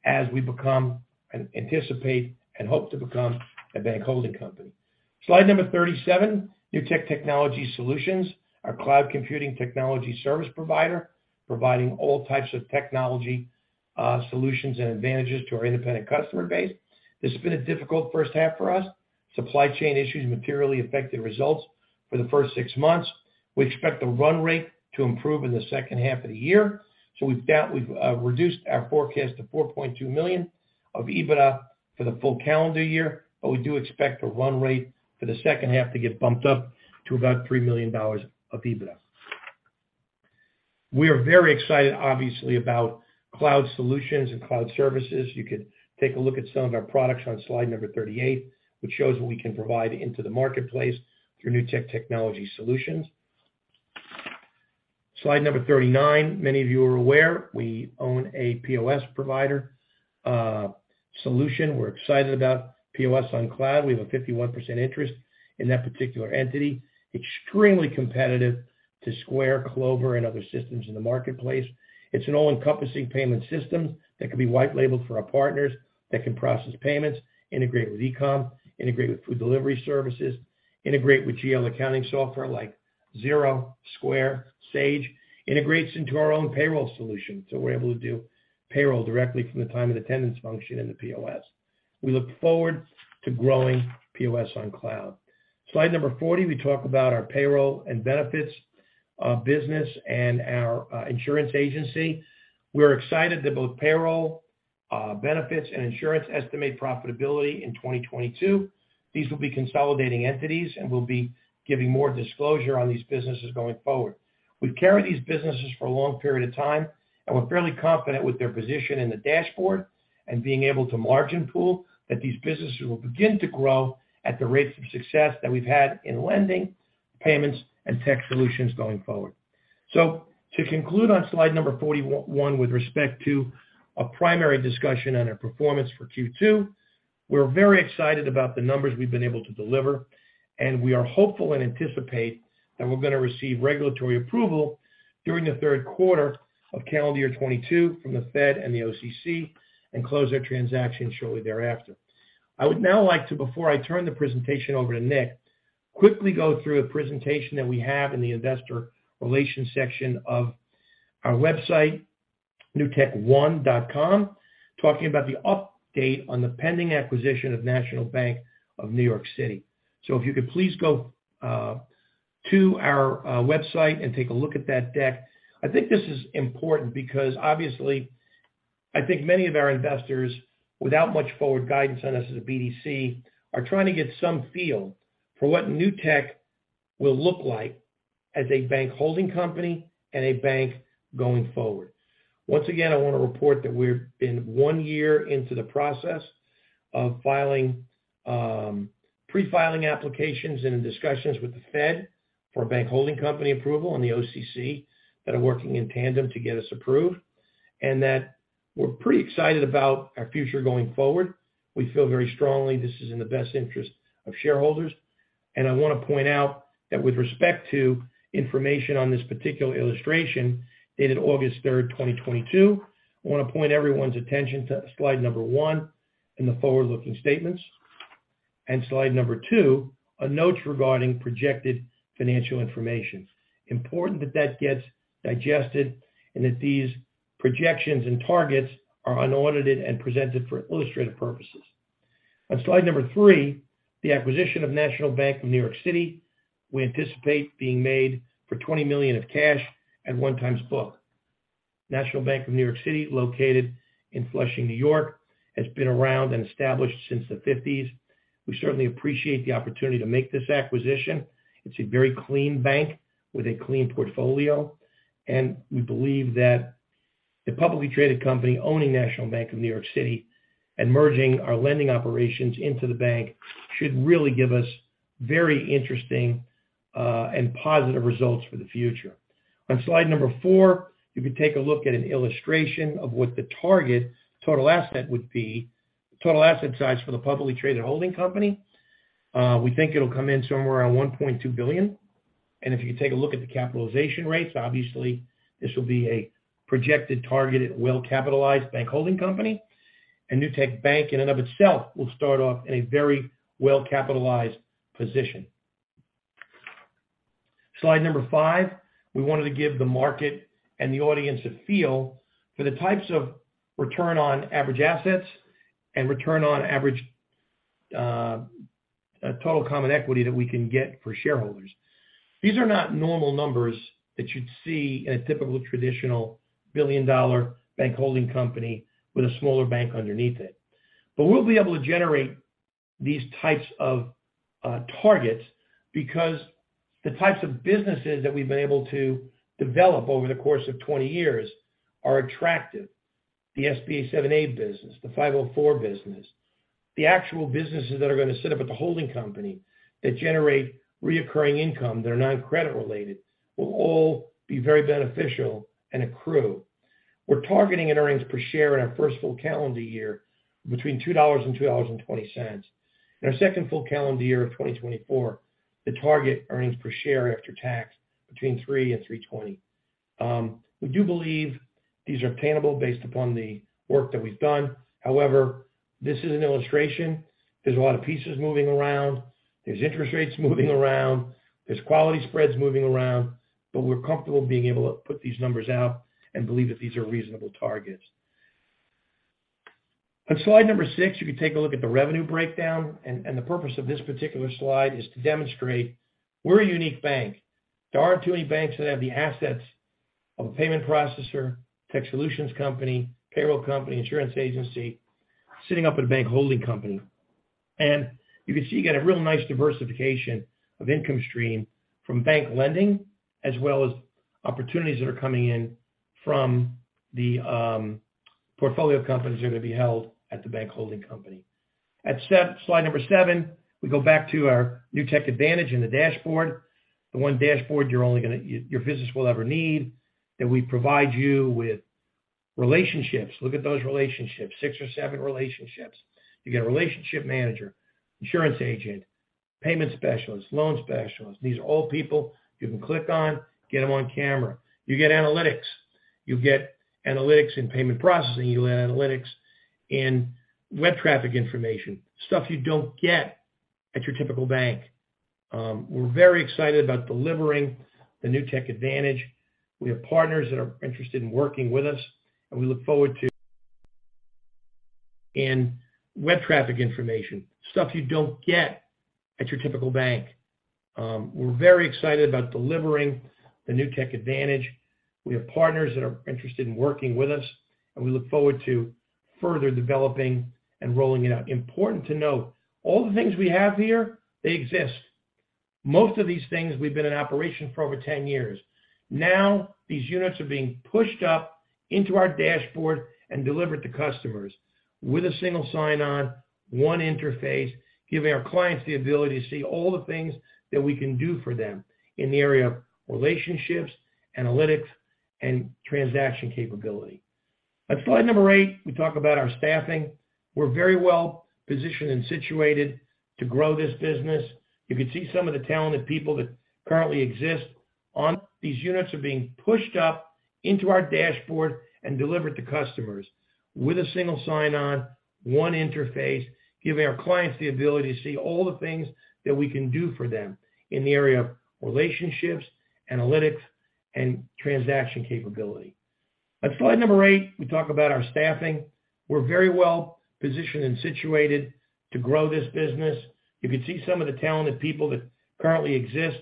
as we become and anticipate and hope to become a bank holding company. Slide number 37, Newtek Technology Solutions, our cloud computing technology service provider, providing all types of technology solutions and advantages to our independent customer base. This has been a difficult first half for us. Supply chain issues materially affected results for the first six months. We expect the run rate to improve in the second half of the year, so we've reduced our forecast to $4.2 million of EBITDA for the full calendar year, but we do expect the run rate for the second half to get bumped up to about $3 million of EBITDA. We are very excited, obviously, about cloud solutions and cloud services. You could take a look at some of our products on slide number 38, which shows what we can provide into the marketplace through Newtek Technology Solutions. Slide number 39, many of you are aware we own a POS provider solution. We're excited about POS on Cloud. We have a 51% interest in that particular entity. Extremely competitive to Square, Clover, and other systems in the marketplace. It's an all-encompassing payment system that can be white labeled for our partners, that can process payments, integrate with e-com, integrate with food delivery services, integrate with GL accounting software like Xero, Square, Sage. Integrates into our own payroll solution, so we're able to do payroll directly from the time and attendance function in the POS. We look forward to growing POS on Cloud. Slide number 40, we talk about our payroll and benefits business and our insurance agency. We're excited that both payroll, benefits, and insurance estimated profitability in 2022. These will be consolidating entities, and we'll be giving more disclosure on these businesses going forward. We've carried these businesses for a long period of time, and we're fairly confident with their position in the dashboard and being able to margin pool that these businesses will begin to grow at the rates of success that we've had in lending, payments, and tech solutions going forward. To conclude on slide number 401 with respect to a primary discussion on our performance for Q2, we're very excited about the numbers we've been able to deliver, and we are hopeful and anticipate that we're gonna receive regulatory approval during the third quarter of calendar year 2022 from the Fed and the OCC, and close our transaction shortly thereafter. I would now like to, before I turn the presentation over to Nick, quickly go through a presentation that we have in the investor relations section of our website, newtekone.com, talking about the update on the pending acquisition of National Bank of New York City. If you could please go to our website and take a look at that deck. I think this is important because obviously, I think many of our investors, without much forward guidance on us as a BDC, are trying to get some feel for what Newtek will look like as a bank holding company and a bank going forward. Once again, I wanna report that we're one year into the process of filing pre-filing applications and in discussions with the Fed for bank holding company approval and the OCC that are working in tandem to get us approved, and that we're pretty excited about our future going forward. We feel very strongly this is in the best interest of shareholders. I wanna point out that with respect to information on this particular illustration dated August 3, 2022, I wanna point everyone's attention to slide one in the forward-looking statements, and slide two on notes regarding projected financial information. Important that that gets digested and that these projections and targets are unaudited and presented for illustrative purposes. On slide three, the acquisition of National Bank of New York City, we anticipate being made for $20 million cash at 1x book. National Bank of New York City, located in Flushing, New York, has been around and established since the '50s. We certainly appreciate the opportunity to make this acquisition. It's a very clean bank with a clean portfolio. We believe that the publicly traded company owning National Bank of New York City and merging our lending operations into the bank should really give us very interesting, and positive results for the future. On slide number four, you can take a look at an illustration of what the target total asset would be, total asset size for the publicly traded holding company. We think it'll come in somewhere around $1.2 billion. If you take a look at the capitalization rates, obviously, this will be a projected targeted well-capitalized bank holding company. Newtek Bank in and of itself will start off in a very well-capitalized position. Slide number five, we wanted to give the market and the audience a feel for the types of return on average assets and return on average total common equity that we can get for shareholders. These are not normal numbers that you'd see in a typical traditional billion-dollar bank holding company with a smaller bank underneath it. We'll be able to generate these types of targets because the types of businesses that we've been able to develop over the course of 20 years are attractive. The SBA 7(a) business, the 504 business. The actual businesses that are gonna sit up at the holding company that generate recurring income that are non-credit related will all be very beneficial and accrue. We're targeting an earnings per share in our first full calendar year between $2 and $2.20. In our second full calendar year of 2024, the target earnings per share after tax between $3 and $3.20. We do believe these are attainable based upon the work that we've done. However, this is an illustration. There's a lot of pieces moving around. There's interest rates moving around. There's quality spreads moving around. But we're comfortable being able to put these numbers out and believe that these are reasonable targets. On slide six, you can take a look at the revenue breakdown. The purpose of this particular slide is to demonstrate we're a unique bank. There aren't too many banks that have the assets of a payment processor, tech solutions company, payroll company, insurance agency sitting up at a bank holding company. You can see you get a real nice diversification of income stream from bank lending, as well as opportunities that are coming in from the portfolio companies that are gonna be held at the bank holding company. At slide number seven, we go back to our Newtek Advantage and the dashboard. The one dashboard your business will ever need, that we provide you with. Relationships. Look at those relationships. Six or seven relationships. You get a relationship manager, insurance agent, payment specialist, loan specialist. These are all people you can click on, get them on camera. You get analytics. You get analytics in payment processing. You get analytics in web traffic information, stuff you don't get at your typical bank. We're very excited about delivering the Newtek Advantage. We have partners that are interested in working with us. In web traffic information, stuff you don't get at your typical bank. We're very excited about delivering the Newtek Advantage. We have partners that are interested in working with us, and we look forward to further developing and rolling it out. Important to note, all the things we have here, they exist. Most of these things, we've been in operation for over ten years. Now, these units are being pushed up into our dashboard and delivered to customers with a single sign on, one interface, giving our clients the ability to see all the things that we can do for them in the area of relationships, analytics, and transaction capability. On slide number eight, we talk about our staffing. We're very well-positioned and situated to grow this business. These units are being pushed up into our dashboard and delivered to customers with a single sign on, one interface, giving our clients the ability to see all the things that we can do for them in the area of relationships, analytics, and transaction capability. On slide number eight, we talk about our staffing. We're very well-positioned and situated to grow this business. You can see some of the talented people that currently exist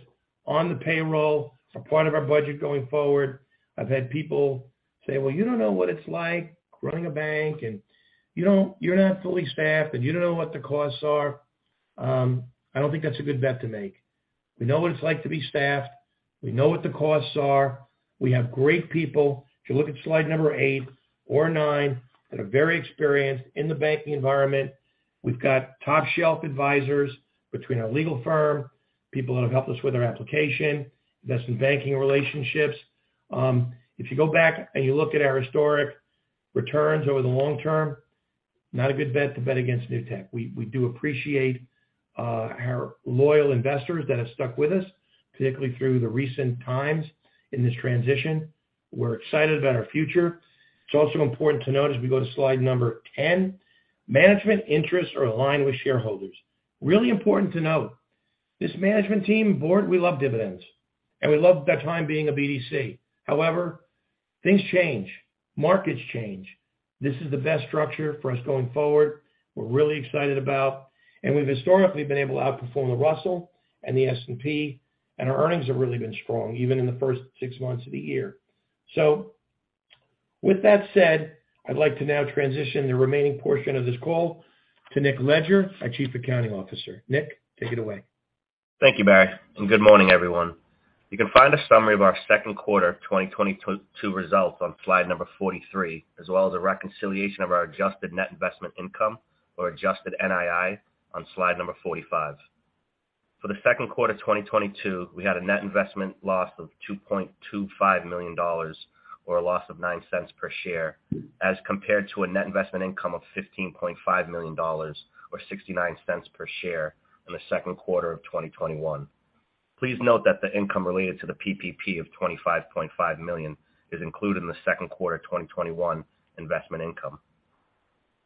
on the payroll. It's a part of our budget going forward. I've had people say, "Well, you don't know what it's like running a bank, and you're not fully staffed, and you don't know what the costs are." I don't think that's a good bet to make. We know what it's like to be staffed. We know what the costs are. We have great people. If you look at slide number eight or nine, that are very experienced in the banking environment. We've got top-shelf advisors between our legal firm, people that have helped us with our application, investment banking relationships. If you go back and you look at our historic returns over the long-term, not a good bet to bet against Newtek. We do appreciate our loyal investors that have stuck with us, particularly through the recent times in this transition. We're excited about our future. It's also important to note as we go to slide number ten, management interests are aligned with shareholders. Really important to note, this management team board, we love dividends, and we love that time being a BDC. However, things change, markets change. This is the best structure for us going forward. We're really excited about, and we've historically been able to outperform the Russell and the S&P, and our earnings have really been strong, even in the first six months of the year. With that said, I'd like to now transition the remaining portion of this call to Nick Leger, our Chief Accounting Officer. Nick, take it away. Thank you, Barry, and good morning, everyone. You can find a summary of our second quarter 2022 results on slide number 43, as well as a reconciliation of our adjusted net investment income or adjusted NII on slide number 45. For the second quarter of 2022, we had a net investment loss of $2.25 million or a loss of 9 cents per share as compared to a net investment income of $15.5 million or 69 cents per share in the second quarter of 2021. Please note that the income related to the PPP of $25.5 million is included in the second quarter of 2021 investment income.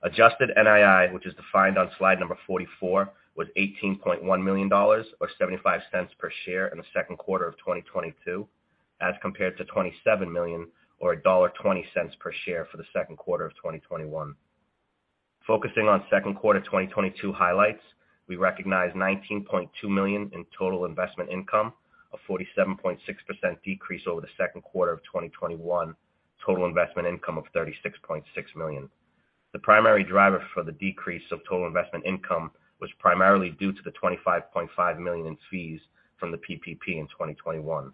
Adjusted NII, which is defined on slide number 44, was $18.1 million or $0.75 per share in the second quarter of 2022, as compared to $27 million or $1.20 per share for the second quarter of 2021. Focusing on second quarter 2022 highlights, we recognize $19.2 million in total investment income, a 47.6% decrease over the second quarter of 2021 total investment income of $36.6 million. The primary driver for the decrease of total investment income was primarily due to the $25.5 million in fees from the PPP in 2021.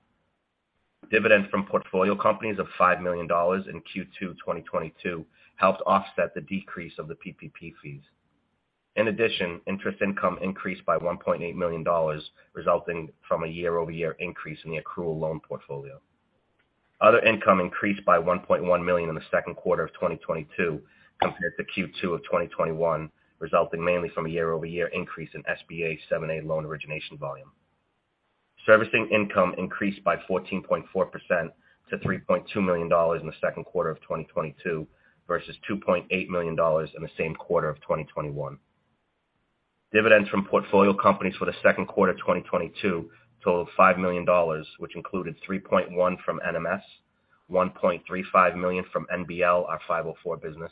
Dividends from portfolio companies of $5 million in Q2 2022 helped offset the decrease of the PPP fees. Interest income increased by $1.8 million, resulting from a year-over-year increase in the accrual loan portfolio. Other income increased by $1.1 million in the second quarter of 2022 compared to Q2 of 2021, resulting mainly from a year-over-year increase in SBA 7(a) loan origination volume. Servicing income increased by 14.4% to $3.2 million in the second quarter of 2022 versus $2.8 million in the same quarter of 2021. Dividends from portfolio companies for the second quarter 2022 totaled $5 million, which included $3.1 million from NMS, $1.35 million from NBL, our 504 business,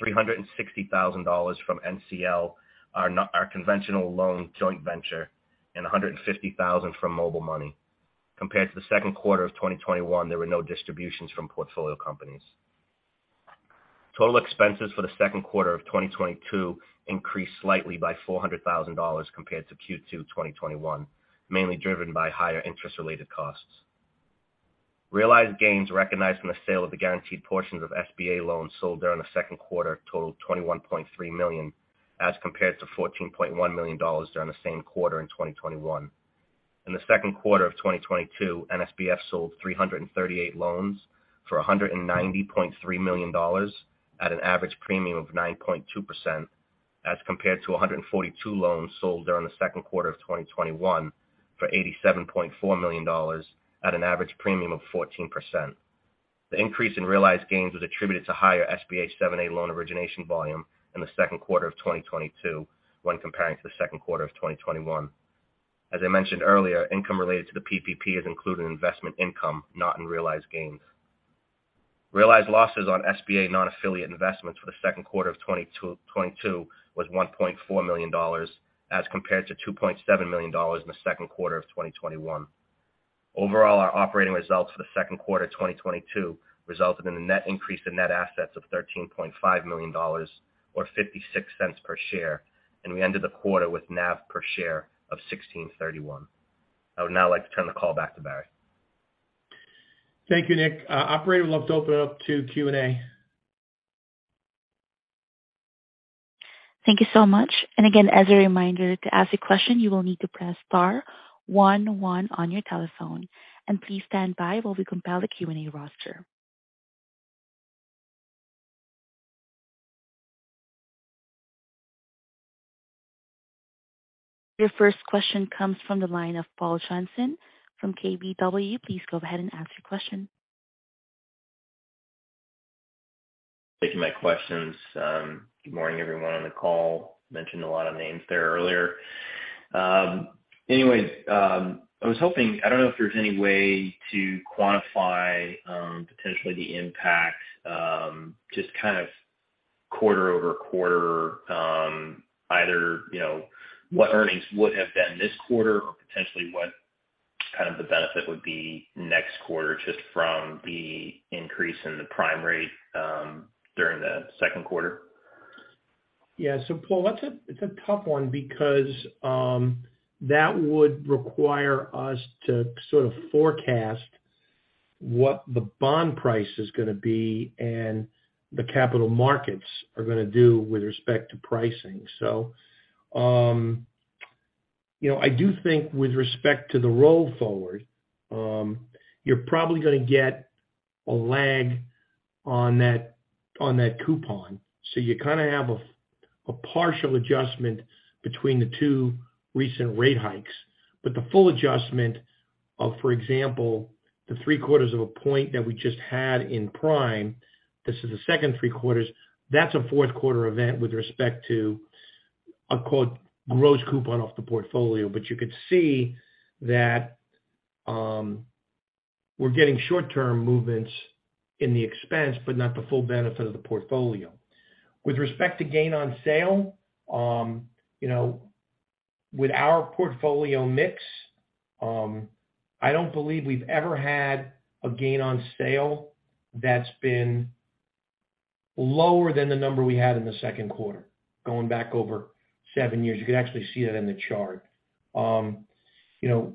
$360,000 from NCL, our conventional loan joint venture, and $150,000 from Mobile Money. Compared to the second quarter of 2021, there were no distributions from portfolio companies. Total expenses for the second quarter of 2022 increased slightly by $400,000 compared to Q2 2021, mainly driven by higher interest-related costs. Realized gains recognized from the sale of the guaranteed portions of SBA loans sold during the second quarter totaled $21.3 million, as compared to $14.1 million during the same quarter in 2021. In the second quarter of 2022, NSBF sold 338 loans for $190.3 million at an average premium of 9.2% as compared to 142 loans sold during the second quarter of 2021 for $87.4 million at an average premium of 14%. The increase in realized gains was attributed to higher SBA 7(a) loan origination volume in the second quarter of 2022 when comparing to the second quarter of 2021. As I mentioned earlier, income related to the PPP is included in investment income, not in realized gains. Realized losses on SBA non-affiliate investments for the second quarter of 2022 was $1.4 million as compared to $2.7 million in the second quarter of 2021. Overall, our operating results for the second quarter of 2022 resulted in a net increase in net assets of $13.5 million or $0.56 per share, and we ended the quarter with NAV per share of $16.31. I would now like to turn the call back to Barry. Thank you, Nick. Operator, we'd love to open it up to Q&A. Thank you so much. Again, as a reminder, to ask a question, you will need to press star one one on your telephone. Please stand by while we compile the Q&A roster. Your first question comes from the line of Paul Johnson from KBW. Please go ahead and ask your question. Thank you. Good morning, everyone on the call. Mentioned a lot of names there earlier. Anyways, I was hoping I don't know if there's any way to quantify potentially the impact just kind of quarter-over-quarter either you know what earnings would have been this quarter or potentially what kind of the benefit would be next quarter just from the increase in the prime rate during the second quarter. Yeah. Paul, that's a tough one because that would require us to sort of forecast what the bond price is gonna be and the capital markets are gonna do with respect to pricing. You know, I do think with respect to the roll forward, you're probably gonna get a lag on that coupon. You kinda have a partial adjustment between the two recent rate hikes. The full adjustment of, for example, the three quarters of a point that we just had in prime, this is the second three quarters, that's a fourth quarter event with respect to a gross coupon off the portfolio. You could see that, we're getting short-term movements in the expense, but not the full benefit of the portfolio. With respect to gain on sale, you know, with our portfolio mix, I don't believe we've ever had a gain on sale that's been lower than the number we had in the second quarter, going back over seven years. You can actually see that in the chart. You know,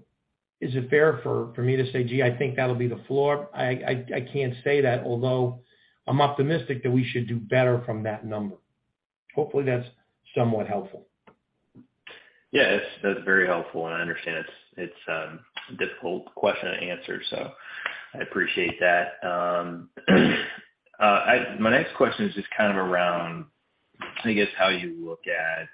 is it fair for me to say, "Gee, I think that'll be the floor"? I can't say that, although I'm optimistic that we should do better from that number. Hopefully, that's somewhat helpful. Yeah, that's very helpful. I understand it's a difficult question to answer, so I appreciate that. My next question is just kind of around, I guess, how you look at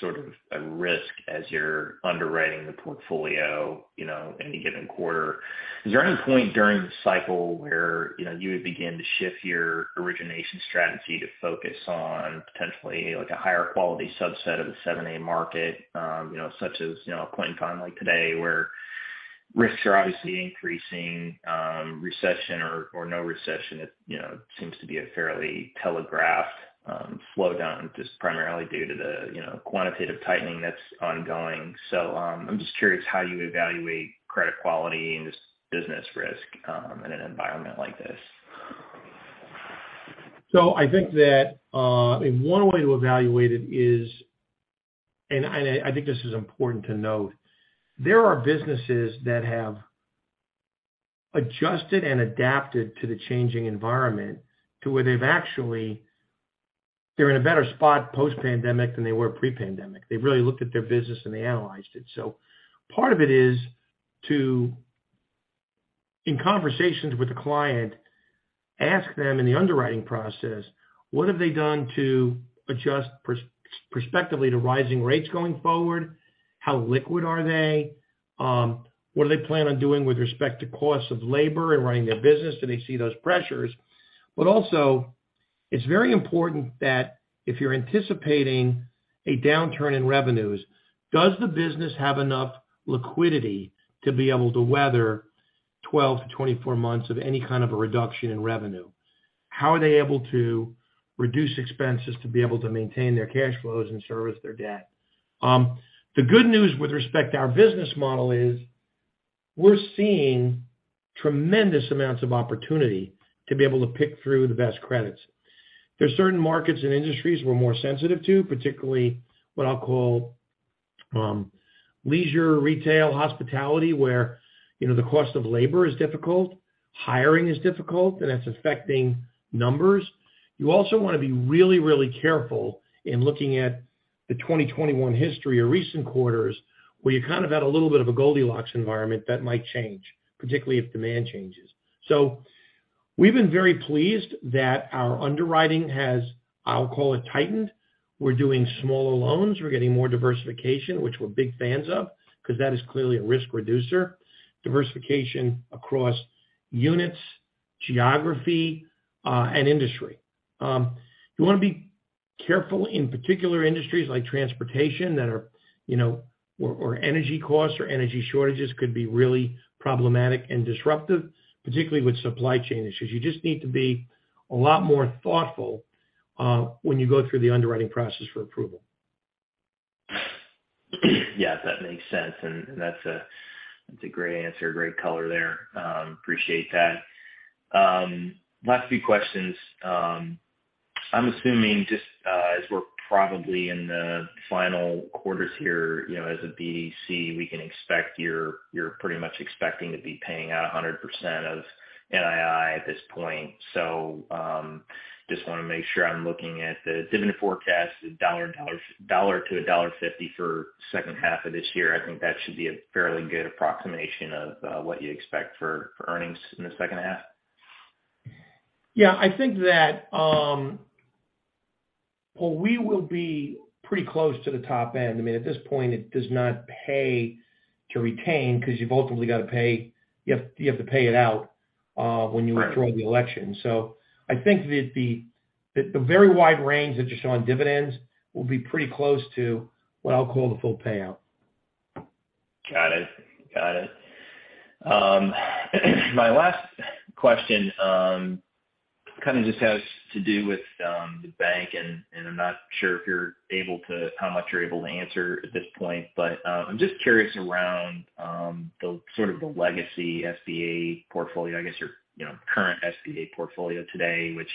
sort of a risk as you're underwriting the portfolio, you know, any given quarter. Is there any point during the cycle where, you know, you would begin to shift your origination strategy to focus on potentially like a higher quality subset of the 7(a) market, you know, such as, you know, a point in time like today where risks are obviously increasing, recession or no recession. It, you know, seems to be a fairly telegraphed slowdown just primarily due to the, you know, quantitative tightening that's ongoing. I'm just curious how you evaluate credit quality and business risk in an environment like this. I think that one way to evaluate it is. I think this is important to note. There are businesses that have adjusted and adapted to the changing environment to where they've actually they're in a better spot post-pandemic than they were pre-pandemic. They've really looked at their business, and they analyzed it. Part of it is to, in conversations with the client, ask them in the underwriting process, what have they done to adjust perspectively to rising rates going forward? How liquid are they? What do they plan on doing with respect to costs of labor and running their business? Do they see those pressures? Also, it's very important that if you're anticipating a downturn in revenues, does the business have enough liquidity to be able to weather 12-24 months of any kind of a reduction in revenue? How are they able to reduce expenses to be able to maintain their cash flows and service their debt? The good news with respect to our business model is, we're seeing tremendous amounts of opportunity to be able to pick through the best credits. There are certain markets and industries we're more sensitive to, particularly what I'll call, leisure, retail, hospitality, where, you know, the cost of labor is difficult. Hiring is difficult, and that's affecting numbers. You also wanna be really, really careful in looking at the 2021 history or recent quarters where you kind of had a little bit of a Goldilocks environment that might change, particularly if demand changes. We've been very pleased that our underwriting has, I'll call it tightened. We're doing smaller loans. We're getting more diversification, which we're big fans of, because that is clearly a risk reducer. Diversification across units, geography, and industry. You wanna be careful in particular industries like transportation that are or energy costs or energy shortages could be really problematic and disruptive, particularly with supply chain issues. You just need to be a lot more thoughtful when you go through the underwriting process for approval. Yes, that makes sense. That's a great answer, great color there. Appreciate that. Last few questions. I'm assuming just as we're probably in the final quarters here, you know, as a BDC, we can expect you're pretty much expecting to be paying out 100% of NII at this point. Just wanna make sure I'm looking at the dividend forecast, $1-$1.50 for second half of this year. I think that should be a fairly good approximation of what you expect for earnings in the second half. Yeah. I think that well, we will be pretty close to the top end. I mean, at this point, it does not pay to retain because you've ultimately gotta pay it out. Right. When you withdraw the election. I think that the very wide range that you show on dividends will be pretty close to what I'll call the full payout. Got it. My last question kind of just has to do with the bank, and I'm not sure how much you're able to answer at this point. I'm just curious around the sort of legacy SBA portfolio, I guess, or, you know, current SBA portfolio today, which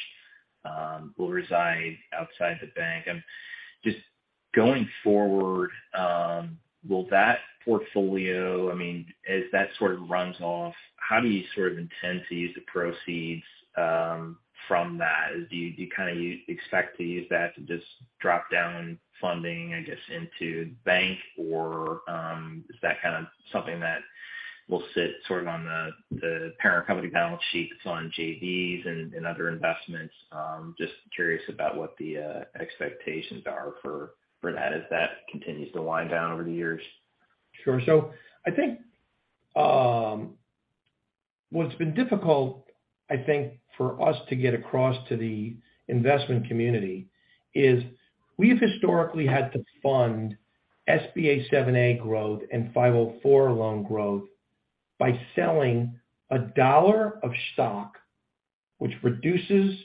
will reside outside the bank. Just going forward, will that portfolio, I mean, as that sort of runs off, how do you sort of intend to use the proceeds from that? Do you kind of expect to use that to just drop down funding, I guess, into bank, or is that kind of something that will sit sort of on the parent company balance sheets on JVs and other investments? Just curious about what the expectations are for that as that continues to wind down over the years. Sure. I think what's been difficult, I think, for us to get across to the investment community is we've historically had to fund SBA 7(a) growth and 504 loan growth by selling a dollar of stock, which reduces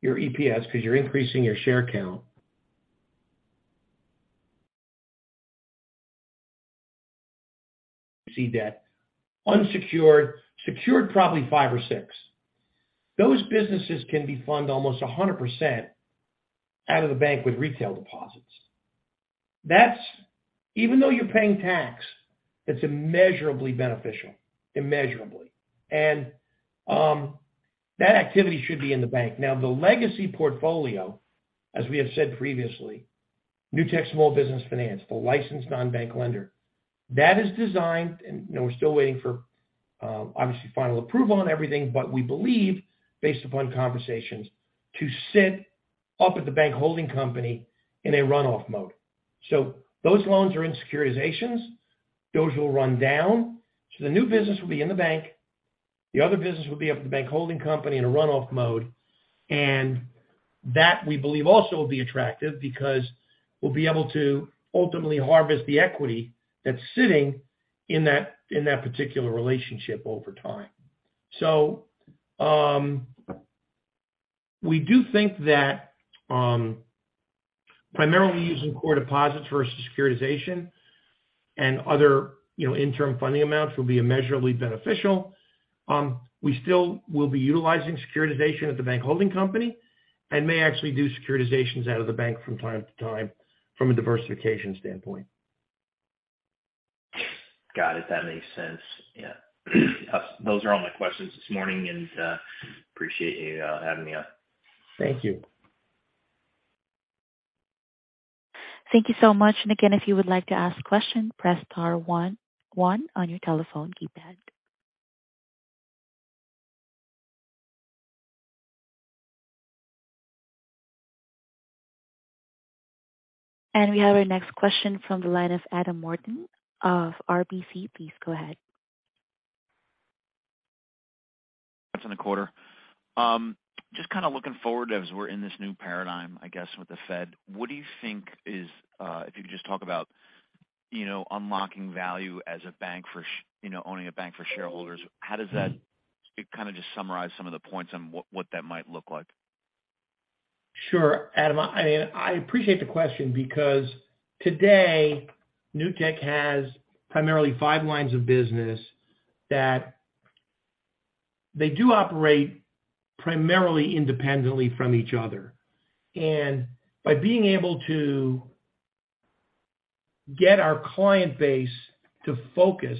your EPS because you're increasing your share count. See debt, unsecured, secured, probably 5% or 6%. Those businesses can be funded almost 100% out of the bank with retail deposits. That's even though you're paying tax, it's immeasurably beneficial, immeasurably. That activity should be in the bank. Now, the legacy portfolio, as we have said previously, Newtek Small Business Finance, the licensed non-bank lender, that is designed and, you know, we're still waiting for obviously final approval on everything. We believe based upon conversations to set up at the bank holding company in a runoff mode. Those loans are in securitizations. Those will run down. The new business will be in the bank. The other business will be up at the bank holding company in a runoff mode. That we believe also will be attractive because we'll be able to ultimately harvest the equity that's sitting in that particular relationship over time. We do think that primarily using core deposits versus securitization and other, you know, interim funding amounts will be immeasurably beneficial. We still will be utilizing securitization at the bank holding company and may actually do securitizations out of the bank from time to time from a diversification standpoint. Got it. That makes sense. Yeah. Those are all my questions this morning and appreciate you having me on. Thank you. Thank you so much. Again, if you would like to ask questions, press star one on your telephone keypad. We have our next question from the line of Adam Morton of RBC. Please go ahead. That's in the quarter. Just kinda looking forward as we're in this new paradigm, I guess, with the Fed. What do you think is, if you could just talk about, you know, unlocking value as a bank, you know, owning a bank for shareholders. How does that kind of just summarize some of the points on what that might look like. Sure. Adam, I appreciate the question because today, Newtek has primarily five lines of business that they do operate primarily independently from each other. By being able to get our client base to focus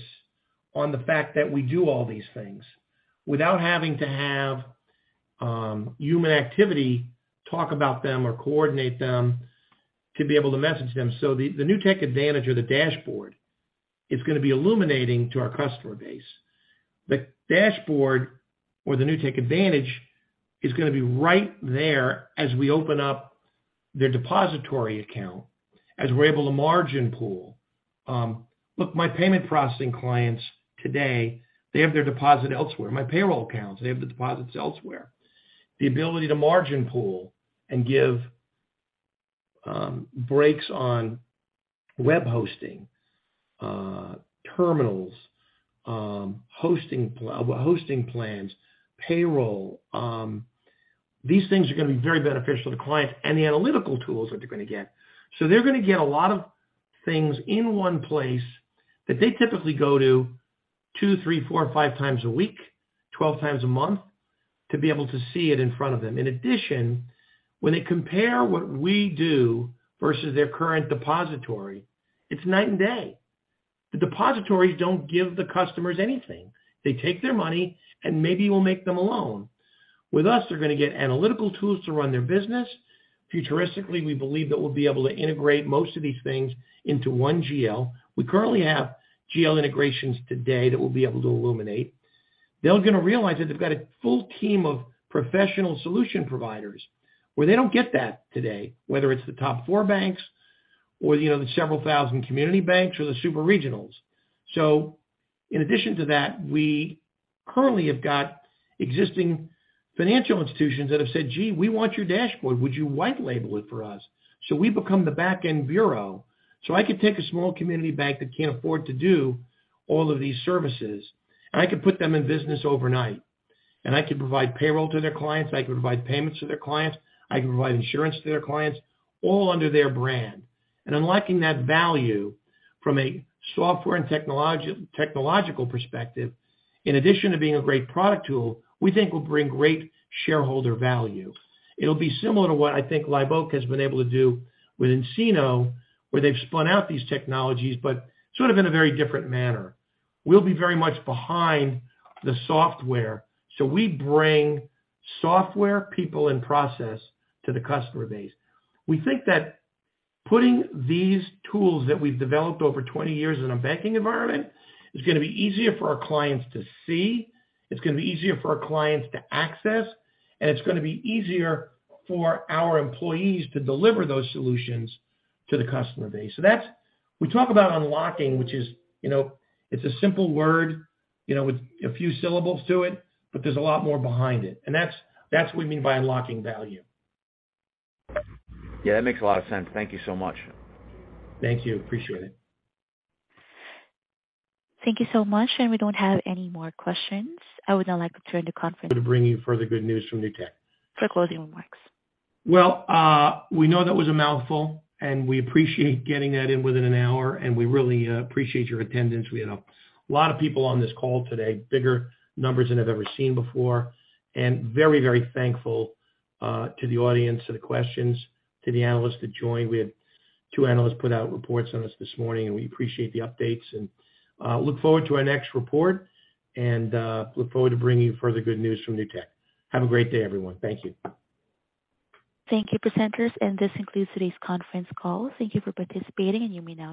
on the fact that we do all these things without having to have human activity talk about them or coordinate them to be able to message them. The Newtek Advantage or the dashboard is gonna be illuminating to our customer base. The dashboard or the Newtek Advantage is gonna be right there as we open up their depository account, as we're able to margin pool. Look, my payment processing clients today, they have their deposit elsewhere. My payroll accounts, they have the deposits elsewhere. The ability to margin pool and give breaks on web hosting, terminals, hosting plans, payroll, these things are gonna be very beneficial to clients and the analytical tools that they're gonna get. They're gonna get a lot of things in one place that they typically go to two, three, four, 5x a week, 12x a month, to be able to see it in front of them. In addition, when they compare what we do versus their current depository, it's night and day. The depositories don't give the customers anything. They take their money and maybe will make them a loan. With us, they're gonna get analytical tools to run their business. Futuristically, we believe that we'll be able to integrate most of these things into one GL. We currently have GL integrations today that we'll be able to illuminate. They're gonna realize that they've got a full team of professional solution providers where they don't get that today, whether it's the top four banks or, you know, the several thousand community banks or the super regionals. In addition to that, we currently have got existing financial institutions that have said, "Gee, we want your dashboard. Would you white label it for us?" We become the back-end bureau. I could take a small community bank that can't afford to do all of these services, and I can put them in business overnight. I can provide payroll to their clients, I can provide payments to their clients, I can provide insurance to their clients, all under their brand. Unlocking that value from a software and technological perspective, in addition to being a great product tool, we think will bring great shareholder value. It'll be similar to what I think Live Oak has been able to do with nCino, where they've spun out these technologies, but sort of in a very different manner. We'll be very much behind the software. We bring software people and process to the customer base. We think that putting these tools that we've developed over 20 years in a banking environment is gonna be easier for our clients to see, it's gonna be easier for our clients to access, and it's gonna be easier for our employees to deliver those solutions to the customer base. That's. We talk about unlocking, which is, you know, it's a simple word, you know, with a few syllables to it, but there's a lot more behind it. That's what we mean by unlocking value. Yeah, that makes a lot of sense. Thank you so much. Thank you. Appreciate it. Thank you so much, and we don't have any more questions. I would now like to turn the conference. To bring you further good news from NewtekOne. For closing remarks. Well, we know that was a mouthful, and we appreciate getting that in within an hour, and we really appreciate your attendance. We had a lot of people on this call today, bigger numbers than I've ever seen before. Very, very thankful to the audience for the questions, to the analysts that joined. We had two analysts put out reports on us this morning, and we appreciate the updates and look forward to our next report and look forward to bringing you further good news from NewtekOne. Have a great day, everyone. Thank you. Thank you, presenters. This concludes today's conference call. Thank you for participating, and you may now disconnect.